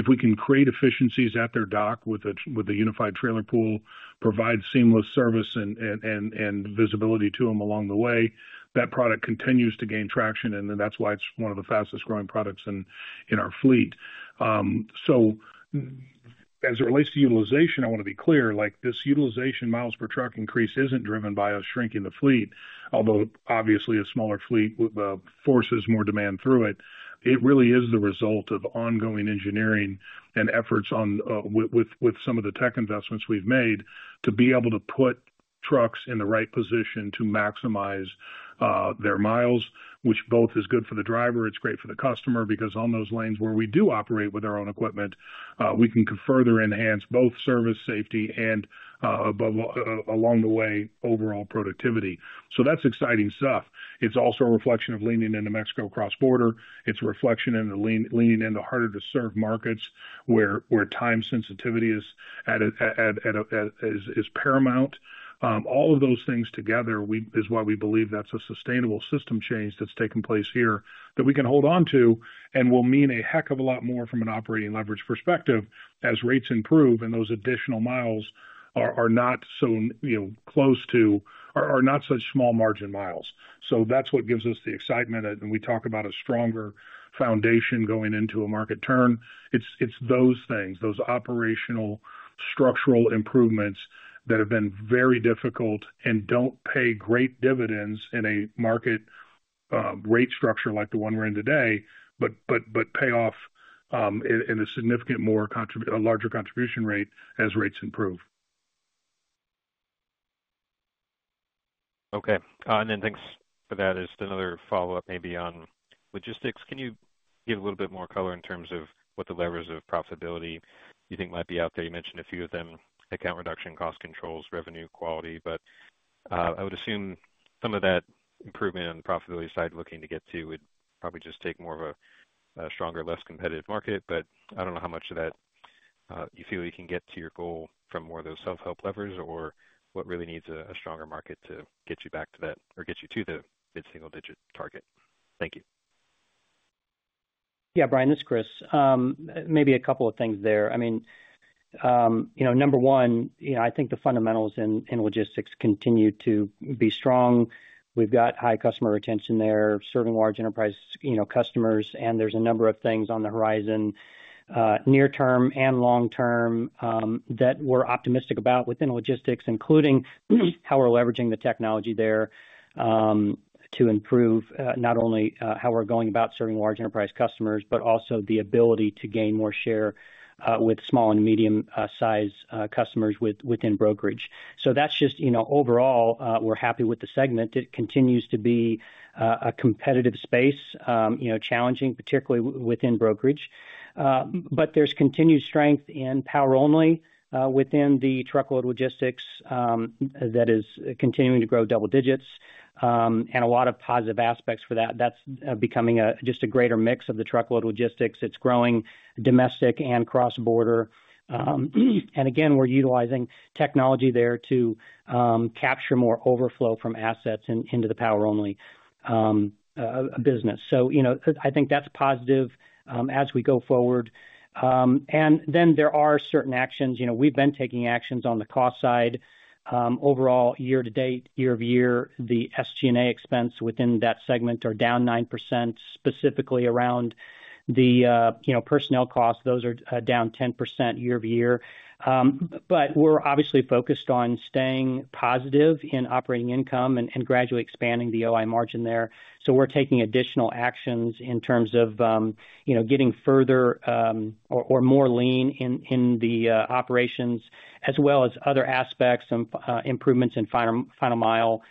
we can create efficiencies at their dock with a unified trailer pool, provide seamless service and visibility to them along the way, that product continues to gain traction, and that's why it's one of the fastest-growing products in our fleet. So as it relates to utilization, I want to be clear. This utilization, miles per truck increase, isn't driven by us shrinking the fleet, although obviously a smaller fleet forces more demand through it. It really is the result of ongoing engineering and efforts with some of the tech investments we've made to be able to put trucks in the right position to maximize their miles, which both is good for the driver. It's great for the customer because on those lanes where we do operate with our own equipment, we can further enhance both service safety and, along the way, overall productivity. So that's exciting stuff. It's also a reflection of leaning into Mexico cross-border. It's a reflection of leaning into harder-to-serve markets where time sensitivity is paramount. All of those things together is why we believe that's a sustainable system change that's taken place here that we can hold on to and will mean a heck of a lot more from an operating leverage perspective as rates improve and those additional miles are not so close to or not such small margin miles. So that's what gives us the excitement, and we talk about a stronger foundation going into a market turn. It's those things, those operational structural improvements that have been very difficult and don't pay great dividends in a market rate structure like the one we're in today, but pay off in a significantly larger contribution rate as rates improve. Okay. And then thanks for that. Just another follow-up maybe on logistics. Can you give a little bit more color in terms of what the levers of profitability you think might be out there? You mentioned a few of them: headcount reduction cost controls, revenue, quality. But I would assume some of that improvement on the profitability side looking to get to would probably just take more of a stronger, less competitive market. But I don't know how much of that you feel you can get to your goal from more of those self-help levers or what really needs a stronger market to get you back to that or get you to the mid-single-digit target. Thank you. Yeah. Brian, this is Chris. Maybe a couple of things there. I mean, number one, I think the fundamentals in logistics continue to be strong. We've got high customer retention there, serving large enterprise customers, and there's a number of things on the horizon, near-term and long-term, that we're optimistic about within logistics, including how we're leveraging the technology there to improve not only how we're going about serving large enterprise customers, but also the ability to gain more share with small and medium-sized customers within brokerage. So that's just overall, we're happy with the segment. It continues to be a competitive space, challenging, particularly within brokerage. But there's continued strength in power-only within the truckload logistics that is continuing to grow double digits and a lot of positive aspects for that. That's becoming just a greater mix of the truckload logistics. It's growing domestic and cross-border. And again, we're utilizing technology there to capture more overflow from assets into the power-only business. So I think that's positive as we go forward. There are certain actions. We've been taking actions on the cost side. Overall, year to date, year over year, the SG&A expense within that segment are down 9%, specifically around the personnel costs. Those are down 10% year over year. We're obviously focused on staying positive in operating income and gradually expanding the OI margin there. We're taking additional actions in terms of getting further or more lean in the operations, as well as other aspects and improvements in final mile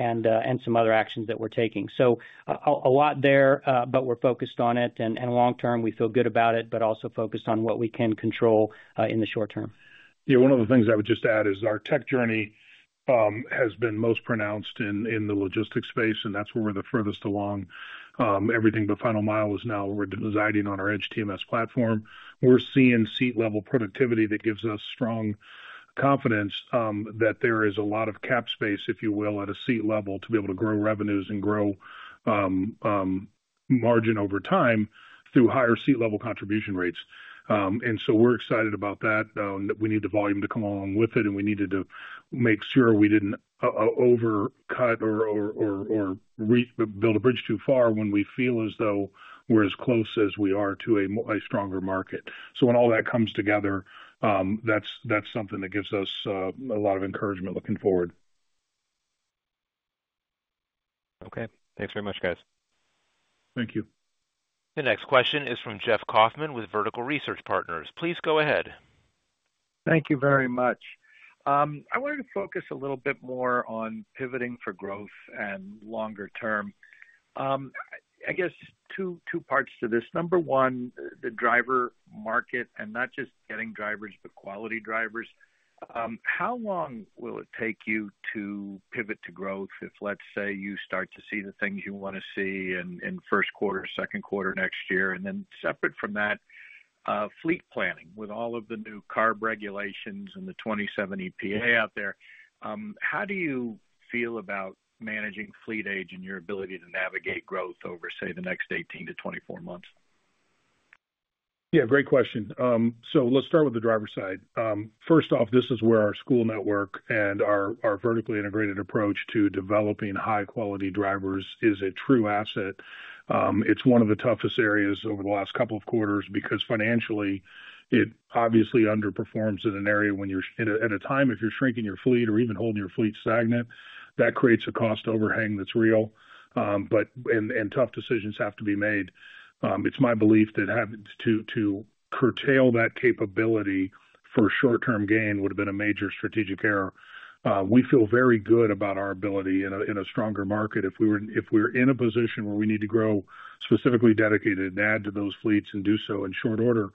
and some other actions that we're taking. A lot there, but we're focused on it. Long-term, we feel good about it, but also focused on what we can control in the short term. Yeah. One of the things I would just add is our tech journey has been most pronounced in the logistics space, and that's where we're the furthest along. Everything but final mile is now residing on our EDGE TMS platform. We're seeing seat-level productivity that gives us strong confidence that there is a lot of cap space, if you will, at a seat level to be able to grow revenues and grow margin over time through higher seat-level contribution rates. And so we're excited about that. We need the volume to come along with it, and we needed to make sure we didn't overcut or build a bridge too far when we feel as though we're as close as we are to a stronger market. So when all that comes together, that's something that gives us a lot of encouragement looking forward. Okay. Thanks very much, guys. Thank you. The next question is from Jeff Kauffman with Vertical Research Partners. Please go ahead. Thank you very much. I wanted to focus a little bit more on pivoting for growth and longer term. I guess two parts to this. Number one, the driver market and not just getting drivers, but quality drivers. How long will it take you to pivot to growth if, let's say, you start to see the things you want to see in first quarter, second quarter next year? And then separate from that, fleet planning with all of the new CARB regulations and the EPA 2027 out there, how do you feel about managing fleet age and your ability to navigate growth over, say, the next 18-24 months? Yeah. Great question. So let's start with the driver side. First off, this is where our school network and our vertically integrated approach to developing high-quality drivers is a true asset. It's one of the toughest areas over the last couple of quarters because financially, it obviously underperforms in an area when you're at a time if you're shrinking your fleet or even holding your fleet stagnant, that creates a cost overhang that's real, and tough decisions have to be made. It's my belief that having to curtail that capability for short-term gain would have been a major strategic error. We feel very good about our ability in a stronger market. If we're in a position where we need to grow specifically dedicated and add to those fleets and do so in short order,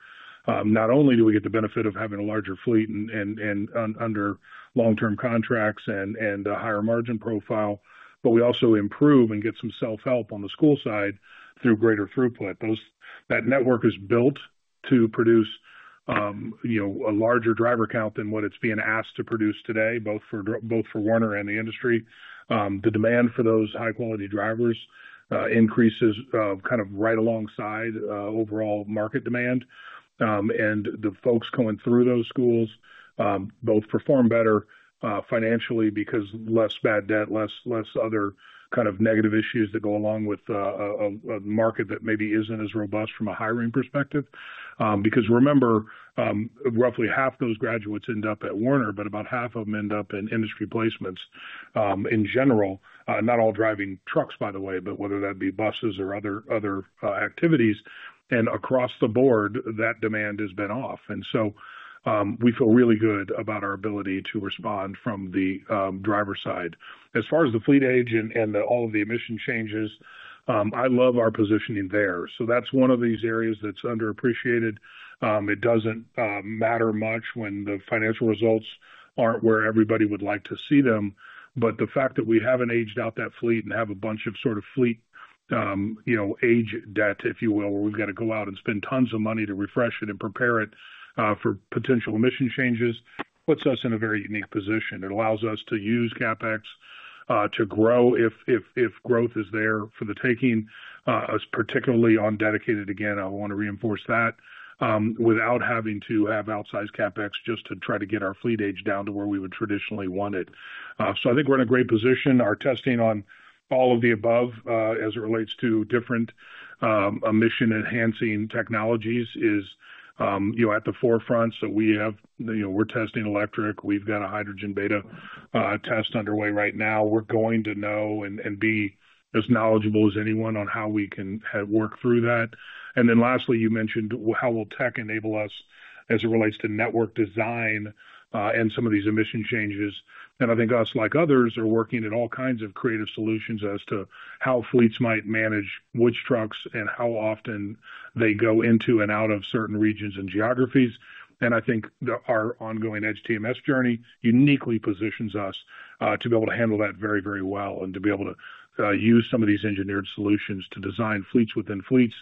not only do we get the benefit of having a larger fleet and under long-term contracts and a higher margin profile, but we also improve and get some self-help on the supply side through greater throughput. That network is built to produce a larger driver count than what it's being asked to produce today, both for Werner and the industry. The demand for those high-quality drivers increases kind of right alongside overall market demand, and the folks going through those schools both perform better financially because less bad debt, less other kind of negative issues that go along with a market that maybe isn't as robust from a hiring perspective. Because remember, roughly half those graduates end up at Werner, but about half of them end up in industry placements in general, not all driving trucks, by the way, but whether that be buses or other activities, and across the board, that demand has been off, and so we feel really good about our ability to respond from the driver side. As far as the fleet age and all of the emission changes, I love our positioning there. So that's one of these areas that's underappreciated. It doesn't matter much when the financial results aren't where everybody would like to see them. But the fact that we haven't aged out that fleet and have a bunch of sort of fleet age debt, if you will, where we've got to go out and spend tons of money to refresh it and prepare it for potential emission changes puts us in a very unique position. It allows us to use CapEx to grow if growth is there for the taking, particularly on dedicated, again, I want to reinforce that, without having to have outsized CapEx just to try to get our fleet age down to where we would traditionally want it. So I think we're in a great position. Our testing on all of the above as it relates to different emission-enhancing technologies is at the forefront. So we're testing electric. We've got a hydrogen beta test underway right now. We're going to know and be as knowledgeable as anyone on how we can work through that. And then lastly, you mentioned how will tech enable us as it relates to network design and some of these emission changes. And I think us, like others, are working at all kinds of creative solutions as to how fleets might manage which trucks and how often they go into and out of certain regions and geographies. And I think our ongoing EDGE TMS journey uniquely positions us to be able to handle that very, very well and to be able to use some of these engineered solutions to design fleets within fleets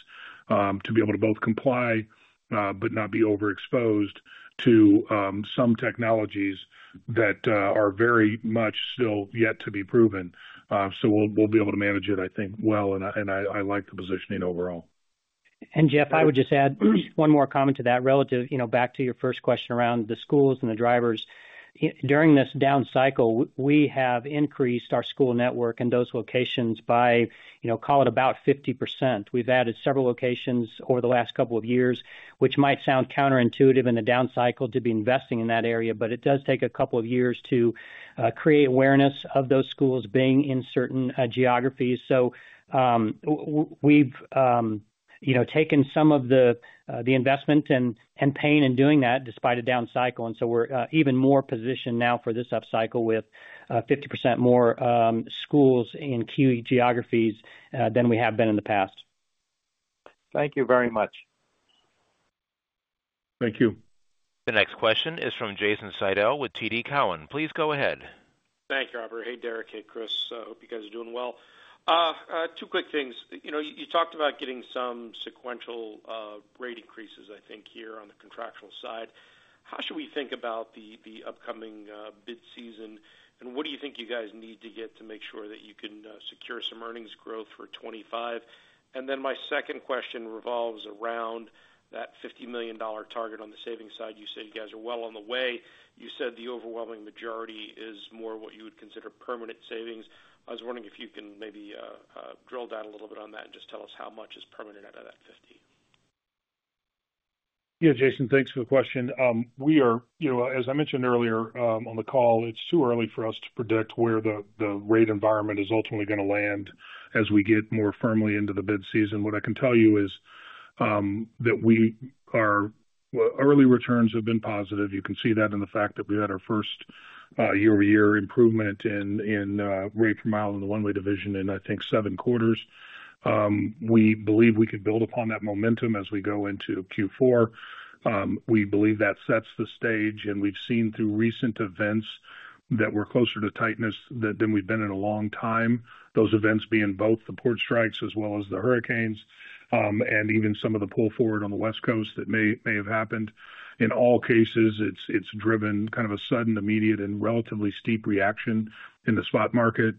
to be able to both comply but not be overexposed to some technologies that are very much still yet to be proven. So we'll be able to manage it, I think, well. And Jeff, I would just add one more comment to that relative back to your first question around the schools and the drivers. During this down cycle, we have increased our school network in those locations by, call it about 50%. We've added several locations over the last couple of years, which might sound counterintuitive in the down cycle to be investing in that area, but it does take a couple of years to create awareness of those schools being in certain geographies. So we've taken some of the investment and pain in doing that despite a down cycle. And so we're even more positioned now for this up cycle with 50% more schools in key geographies than we have been in the past. Thank you very much. Thank you. The next question is from Jason Seidl with TD Cowen. Please go ahead. Thanks, Robert. Hey, Derek. Hey, Chris. I hope you guys are doing well. Two quick things. You talked about getting some sequential rate increases, I think, here on the contractual side. How should we think about the upcoming bid season? And what do you think you guys need to get to make sure that you can secure some earnings growth for 2025? And then my second question revolves around that $50 million target on the savings side. You said you guys are well on the way. You said the overwhelming majority is more what you would consider permanent savings. I was wondering if you can maybe drill down a little bit on that and just tell us how much is permanent out of that 50. Yeah, Jason, thanks for the question. As I mentioned earlier on the call, it's too early for us to predict where the rate environment is ultimately going to land as we get more firmly into the bid season. What I can tell you is that early returns have been positive. You can see that in the fact that we had our first year-over-year improvement in rate per mile in the one-way division in, I think, seven quarters. We believe we can build upon that momentum as we go into Q4. We believe that sets the stage, and we've seen through recent events that we're closer to tightness than we've been in a long time, those events being both the port strikes as well as the hurricanes and even some of the pull forward on the West Coast that may have happened. In all cases, it's driven kind of a sudden, immediate, and relatively steep reaction in the spot market.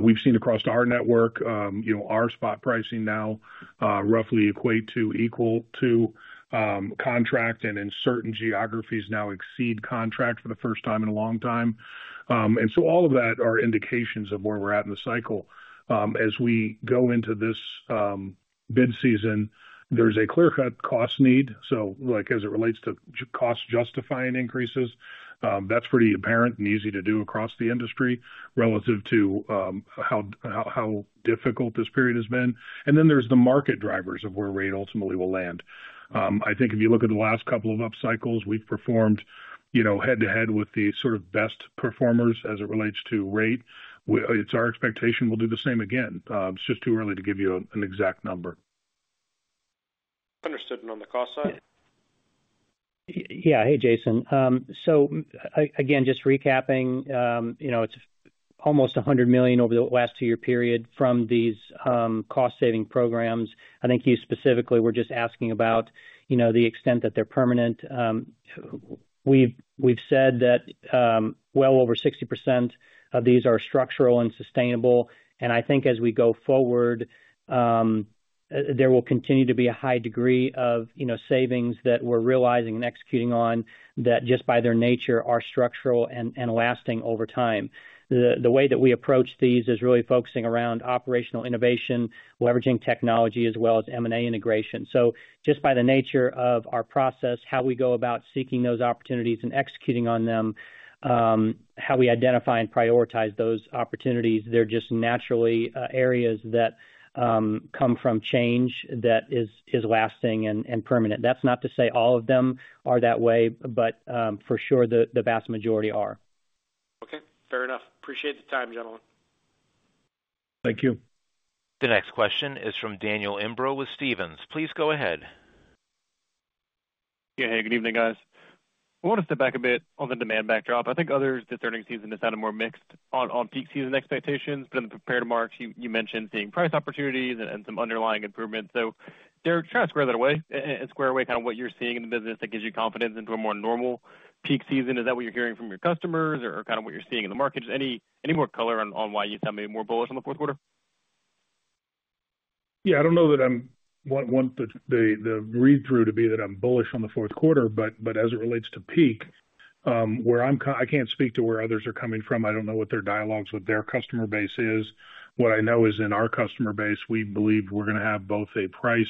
We've seen across our network, our spot pricing now roughly equate to contract and in certain geographies now exceed contract for the first time in a long time. And so all of that are indications of where we're at in the cycle. As we go into this bid season, there's a clear-cut cost need. So as it relates to cost-justifying increases, that's pretty apparent and easy to do across the industry relative to how difficult this period has been. And then there's the market drivers of where rate ultimately will land. I think if you look at the last couple of up cycles, we've performed head-to-head with the sort of best performers as it relates to rate. It's our expectation we'll do the same again. It's just too early to give you an exact number. Understood. And on the cost side? Yeah. Hey, Jason. So again, just recapping, it's almost $100 million over the last two-year period from these cost-saving programs. I think you specifically were just asking about the extent that they're permanent. We've said that well over 60% of these are structural and sustainable, and I think as we go forward, there will continue to be a high degree of savings that we're realizing and executing on that just by their nature are structural and lasting over time. The way that we approach these is really focusing around operational innovation, leveraging technology, as well as M&A integration. So just by the nature of our process, how we go about seeking those opportunities and executing on them, how we identify and prioritize those opportunities, they're just naturally areas that come from change that is lasting and permanent. That's not to say all of them are that way, but for sure, the vast majority are. Okay. Fair enough. Appreciate the time, gentlemen. Thank you. The next question is from Daniel Imbro with Stephens. Please go ahead. Yeah. Hey, good evening, guys. I want to step back a bit on the demand backdrop. I think others this earnings season has had a more mixed on peak season expectations. But in the prepared remarks, you mentioned seeing price opportunities and some underlying improvements. So Derek, try to square that away and square away kind of what you're seeing in the business that gives you confidence into a more normal peak season. Is that what you're hearing from your customers or kind of what you're seeing in the market? Just any more color on why you sound maybe more bullish on the fourth quarter? Yeah. I don't know that I want the read-through to be that I'm bullish on the fourth quarter. But as it relates to peak, where I'm kind of, I can't speak to where others are coming from. I don't know what their dialogues with their customer base is. What I know is in our customer base, we believe we're going to have both a price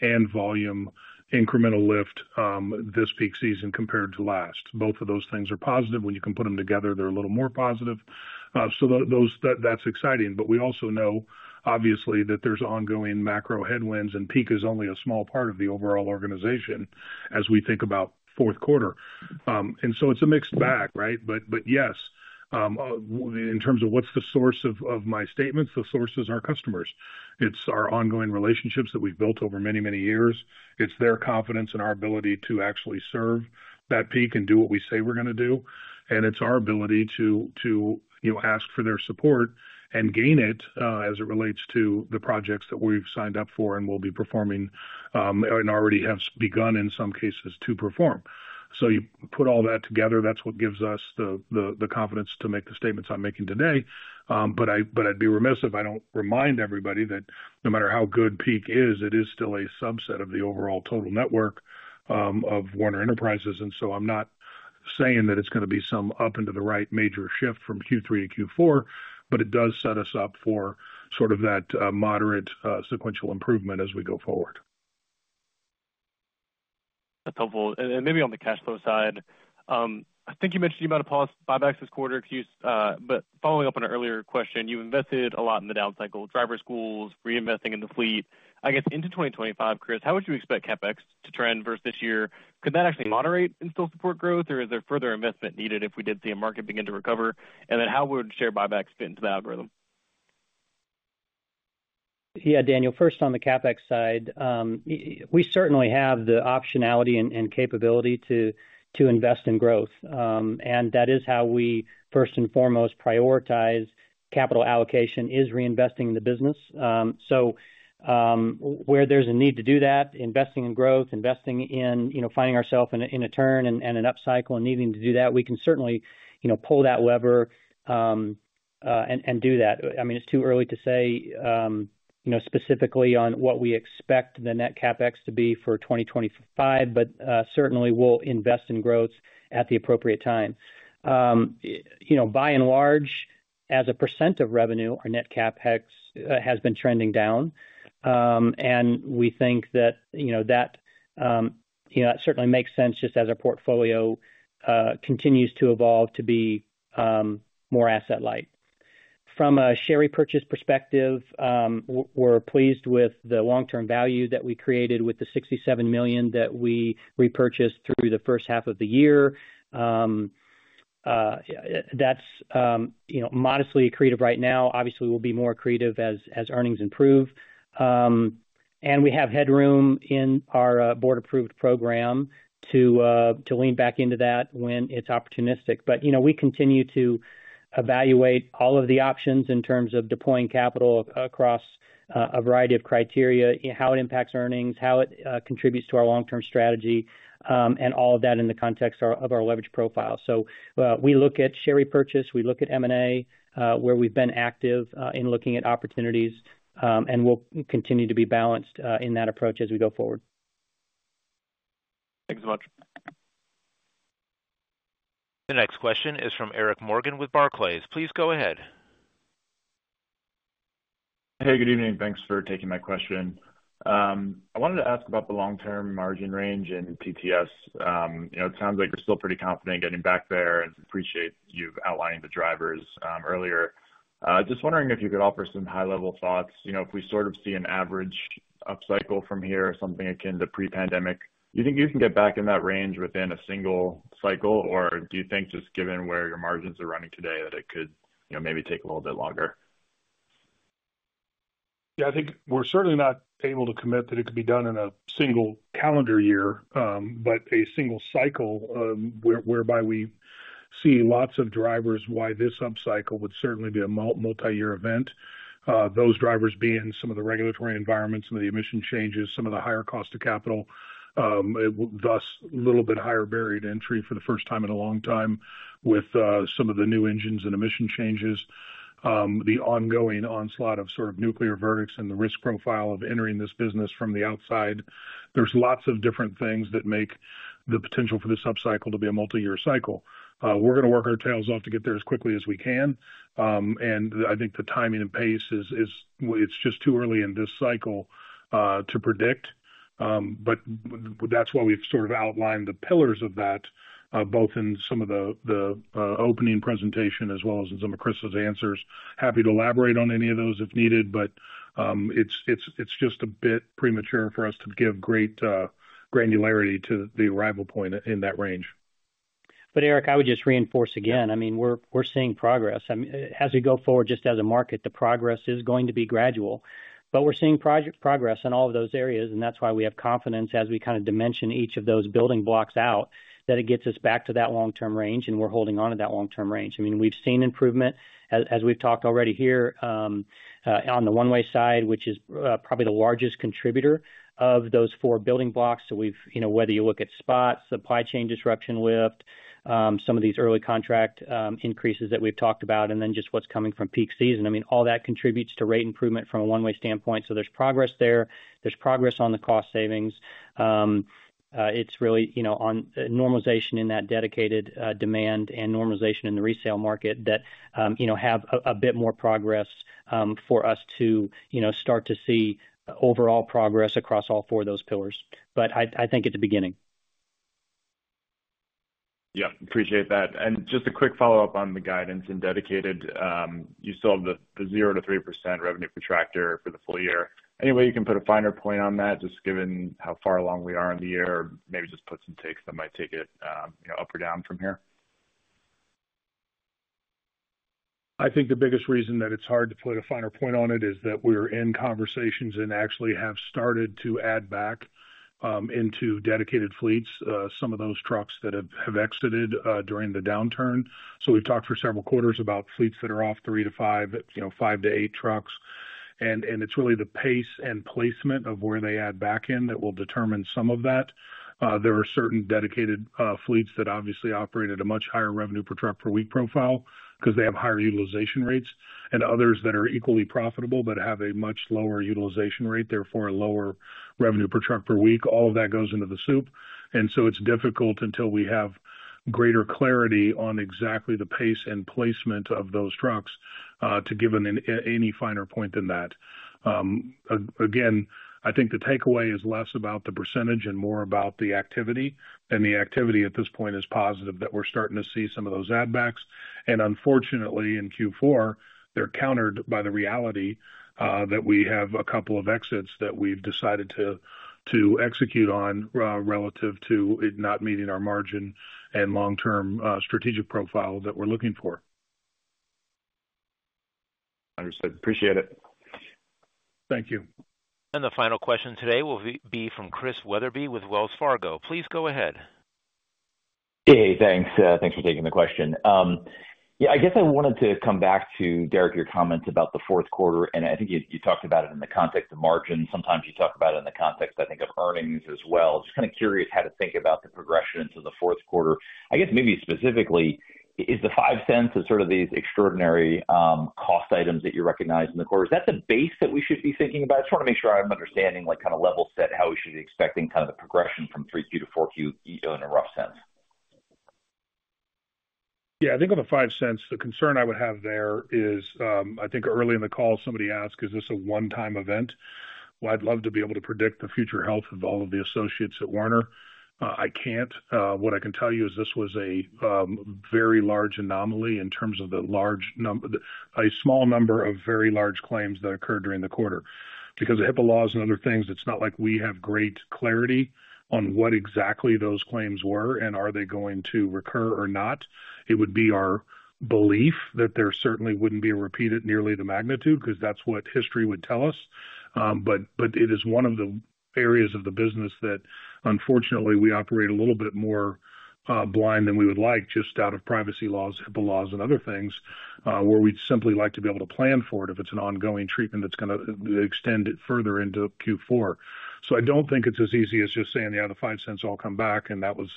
and volume incremental lift this peak season compared to last. Both of those things are positive. When you can put them together, they're a little more positive. So that's exciting. But we also know, obviously, that there's ongoing macro headwinds, and peak is only a small part of the overall organization as we think about fourth quarter. And so it's a mixed bag, right? But yes, in terms of what's the source of my statements, the source is our customers. It's our ongoing relationships that we've built over many, many years. It's their confidence in our ability to actually serve that peak and do what we say we're going to do. It's our ability to ask for their support and gain it as it relates to the projects that we've signed up for and will be performing and already have begun in some cases to perform. So you put all that together, that's what gives us the confidence to make the statements I'm making today. But I'd be remiss if I don't remind everybody that no matter how good peak is, it is still a subset of the overall total network of Werner Enterprises. And so I'm not saying that it's going to be some up and to the right major shift from Q3 to Q4, but it does set us up for sort of that moderate sequential improvement as we go forward. That's helpful. And maybe on the cash flow side, I think you mentioned you might have paused buybacks this quarter. But following up on an earlier question, you invested a lot in the down cycle, driver schools, reinvesting in the fleet. I guess into 2025, Chris, how would you expect CapEx to trend versus this year? Could that actually moderate and still support growth, or is there further investment needed if we did see a market begin to recover? And then how would share buybacks fit into the algorithm? Yeah, Daniel, first on the CapEx side, we certainly have the optionality and capability to invest in growth. And that is how we first and foremost prioritize capital allocation is reinvesting in the business. So where there's a need to do that, investing in growth, investing in finding ourselves in a turn and an up cycle and needing to do that, we can certainly pull that lever and do that. I mean, it's too early to say specifically on what we expect the net CapEx to be for 2025, but certainly we'll invest in growth at the appropriate time. By and large, as a % of revenue, our net CapEx has been trending down. And we think that that certainly makes sense just as our portfolio continues to evolve to be more asset-light. From a share repurchase perspective, we're pleased with the long-term value that we created with the $67 million that we repurchased through the first half of the year. That's modestly accretive right now. Obviously, we'll be more accretive as earnings improve. And we have headroom in our board-approved program to lean back into that when it's opportunistic. but we continue to evaluate all of the options in terms of deploying capital across a variety of criteria, how it impacts earnings, how it contributes to our long-term strategy, and all of that in the context of our leverage profile. so we look at share repurchase. We look at M&A, where we've been active in looking at opportunities, and we'll continue to be balanced in that approach as we go forward. Thanks so much. The next question is from Eric Morgan with Barclays. Please go ahead. Hey, good evening. Thanks for taking my question. I wanted to ask about the long-term margin range in TTS. It sounds like you're still pretty confident getting back there, and I appreciate you outlining the drivers earlier. Just wondering if you could offer some high-level thoughts. If we sort of see an average up cycle from here, something akin to pre-pandemic, do you think you can get back in that range within a single cycle, or do you think just given where your margins are running today that it could maybe take a little bit longer? Yeah, I think we're certainly not able to commit that it could be done in a single calendar year, but a single cycle whereby we see lots of drivers why this up cycle would certainly be a multi-year event. Those drivers being some of the regulatory environments, some of the emission changes, some of the higher cost of capital, thus a little bit higher barrier to entry for the first time in a long time with some of the new engines and emission changes, the ongoing onslaught of sort of nuclear verdicts and the risk profile of entering this business from the outside. There's lots of different things that make the potential for this up cycle to be a multi-year cycle. We're going to work our tails off to get there as quickly as we can. And I think the timing and pace, it's just too early in this cycle to predict. But that's why we've sort of outlined the pillars of that, both in some of the opening presentation as well as in some of Chris's answers. Happy to elaborate on any of those if needed, but it's just a bit premature for us to give great granularity to the arrival point in that range. But Eric, I would just reinforce again, I mean, we're seeing progress. As we go forward, just as a market, the progress is going to be gradual. But we're seeing progress in all of those areas, and that's why we have confidence as we kind of dimension each of those building blocks out that it gets us back to that long-term range, and we're holding on to that long-term range. I mean, we've seen improvement, as we've talked already here, on the one-way side, which is probably the largest contributor of those four building blocks. So whether you look at spots, supply chain disruption lift, some of these early contract increases that we've talked about, and then just what's coming from peak season. I mean, all that contributes to rate improvement from a one-way standpoint. So there's progress there. There's progress on the cost savings. It's really on normalization in that dedicated demand and normalization in the resale market that have a bit more progress for us to start to see overall progress across all four of those pillars. But I think it's a beginning. Yeah. Appreciate that. And just a quick follow-up on the guidance and dedicated, you still have the 0%-3% revenue projection for the full year. Any way you can put a finer point on that, just given how far along we are in the year, or maybe just put some takes that might take it up or down from here? I think the biggest reason that it's hard to put a finer point on it is that we're in conversations and actually have started to add back into dedicated fleets some of those trucks that have exited during the downturn. So we've talked for several quarters about fleets that are off three to five, five to eight trucks. And it's really the pace and placement of where they add back in that will determine some of that. There are certain dedicated fleets that obviously operate at a much higher revenue per truck per week profile because they have higher utilization rates. And others that are equally profitable but have a much lower utilization rate, therefore a lower revenue per truck per week. All of that goes into the soup. And so it's difficult until we have greater clarity on exactly the pace and placement of those trucks to give any finer point than that. Again, I think the takeaway is less about the percentage and more about the activity. And the activity at this point is positive that we're starting to see some of those add-backs. And unfortunately, in Q4, they're countered by the reality that we have a couple of exits that we've decided to execute on relative to it not meeting our margin and long-term strategic profile that we're looking for. Understood. Appreciate it. Thank you. And the final question today will be from Christian Wetherbee with Wells Fargo. Please go ahead. Hey, thanks. Thanks for taking the question. Yeah, I guess I wanted to come back to Derek, your comments about the fourth quarter. I think you talked about it in the context of margin. Sometimes you talk about it in the context, I think, of earnings as well. Just kind of curious how to think about the progression into the fourth quarter. I guess maybe specifically, is the $0.05 of sort of these extraordinary cost items that you recognize in the quarter, is that the base that we should be thinking about? Just want to make sure I'm understanding kind of level set how we should be expecting kind of the progression from 3Q to 4Q in a rough sense. Yeah, I think on the $0.05, the concern I would have there is I think early in the call, somebody asked, "Is this a one-time event?" Well, I'd love to be able to predict the future health of all of the associates at Werner. I can't. What I can tell you is this was a very large anomaly in terms of a small number of very large claims that occurred during the quarter. Because of HIPAA laws and other things, it's not like we have great clarity on what exactly those claims were and are they going to recur or not. It would be our belief that there certainly wouldn't be a repeat at nearly the magnitude because that's what history would tell us. But it is one of the areas of the business that, unfortunately, we operate a little bit more blind than we would like just out of privacy laws, HIPAA laws, and other things where we'd simply like to be able to plan for it if it's an ongoing treatment that's going to extend it further into Q4. So I don't think it's as easy as just saying, "Yeah, the $0.05 all come back," and that was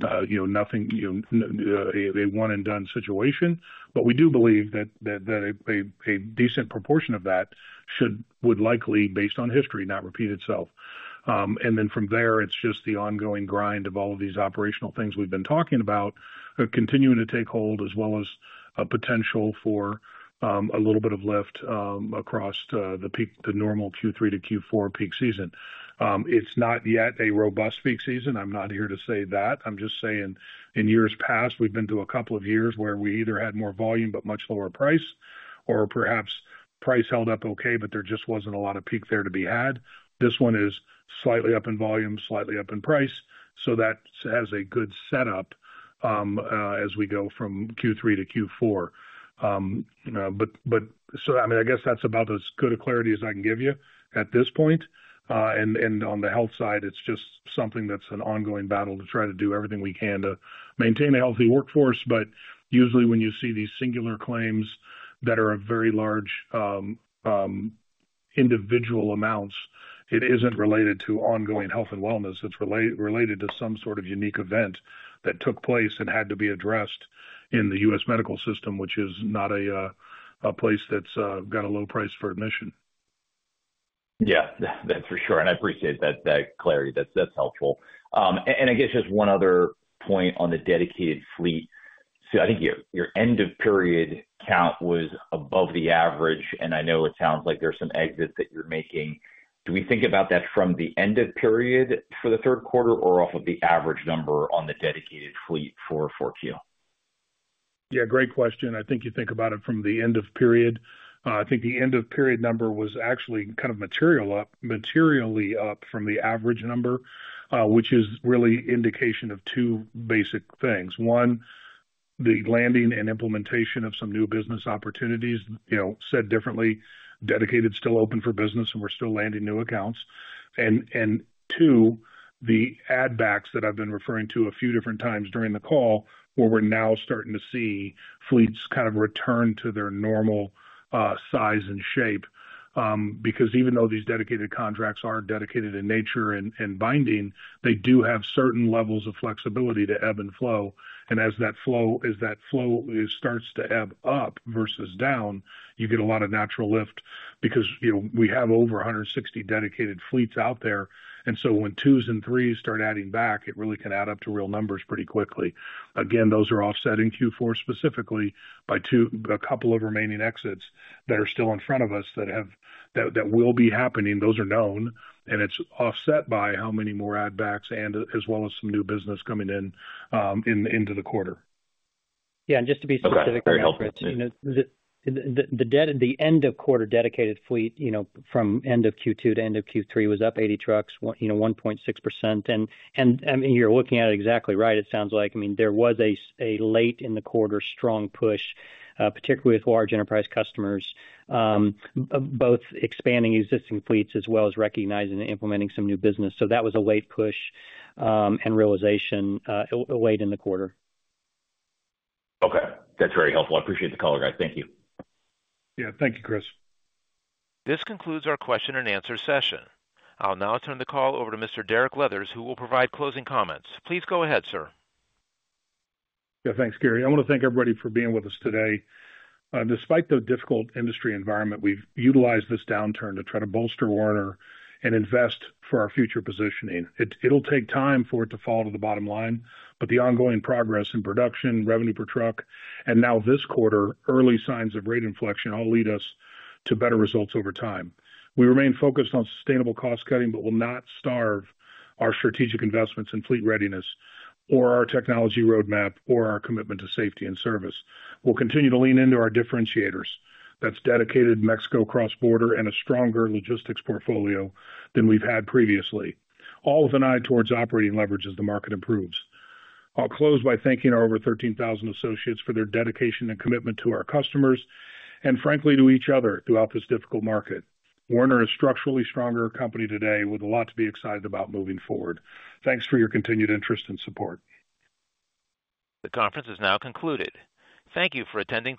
nothing, a one-and-done situation. But we do believe that a decent proportion of that should, would likely, based on history, not repeat itself. And then from there, it's just the ongoing grind of all of these operational things we've been talking about continuing to take hold as well as a potential for a little bit of lift across the normal Q3 to Q4 peak season. It's not yet a robust peak season. I'm not here to say that. I'm just saying in years past, we've been to a couple of years where we either had more volume but much lower price, or perhaps price held up okay, but there just wasn't a lot of peak there to be had. This one is slightly up in volume, slightly up in price. So that has a good setup as we go from Q3 to Q4. But so I mean, I guess that's about as good a clarity as I can give you at this point. And on the health side, it's just something that's an ongoing battle to try to do everything we can to maintain a healthy workforce. But usually when you see these singular claims that are very large individual amounts, it isn't related to ongoing health and wellness. It's related to some sort of unique event that took place and had to be addressed in the U.S. medical system, which is not a place that's got a low price for admission. Yeah, that's for sure. And I appreciate that clarity. That's helpful. And I guess just one other point on the dedicated fleet. So I think your end-of-period count was above the average, and I know it sounds like there's some exits that you're making. Do we think about that from the end-of-period for the third quarter or off of the average number on the dedicated fleet for 4Q? Yeah, great question. I think you think about it from the end-of-period. I think the end-of-period number was actually kind of materially up from the average number, which is really indication of two basic things. One, the landing and implementation of some new business opportunities. Said differently, dedicated still open for business, and we're still landing new accounts. And two, the add-backs that I've been referring to a few different times during the call where we're now starting to see fleets kind of return to their normal size and shape. Because even though these dedicated contracts are dedicated in nature and binding, they do have certain levels of flexibility to ebb and flow. And as that flow starts to ebb up versus down, you get a lot of natural lift because we have over 160 dedicated fleets out there. And so when twos and threes start adding back, it really can add up to real numbers pretty quickly. Again, those are offsetting Q4 specifically by a couple of remaining exits that are still in front of us that will be happening. Those are known, and it's offset by how many more add-backs and as well as some new business coming into the quarter. Yeah, and just to be specific, the end-of-quarter dedicated fleet from end of Q2 to end of Q3 was up 80 trucks, 1.6%. And you're looking at it exactly right. It sounds like, I mean, there was a late-in-the-quarter strong push, particularly with large enterprise customers, both expanding existing fleets as well as recognizing and implementing some new business. So that was a late push and realization late in the quarter. Okay. That's very helpful. I appreciate the call, guys. Thank you. Yeah, thank you, Chris. This concludes our question-and-answer session. I'll now turn the call over to Mr. Derek Leathers, who will provide closing comments. Please go ahead, sir. Yeah, thanks, Gary. I want to thank everybody for being with us today. Despite the difficult industry environment, we've utilized this downturn to try to bolster Werner and invest for our future positioning. It'll take time for it to fall to the bottom line, but the ongoing progress in production, revenue per truck, and now this quarter, early signs of rate inflection all lead us to better results over time. We remain focused on sustainable cost cutting, but will not starve our strategic investments in fleet readiness or our technology roadmap or our commitment to safety and service. We'll continue to lean into our differentiators. That's dedicated Mexico cross-border and a stronger logistics portfolio than we've had previously, all with an eye towards operating leverage as the market improves. I'll close by thanking our over 13,000 associates for their dedication and commitment to our customers and, frankly, to each other throughout this difficult market. Werner is structurally stronger a company today with a lot to be excited about moving forward. Thanks for your continued interest and support. The conference is now concluded. Thank you for attending.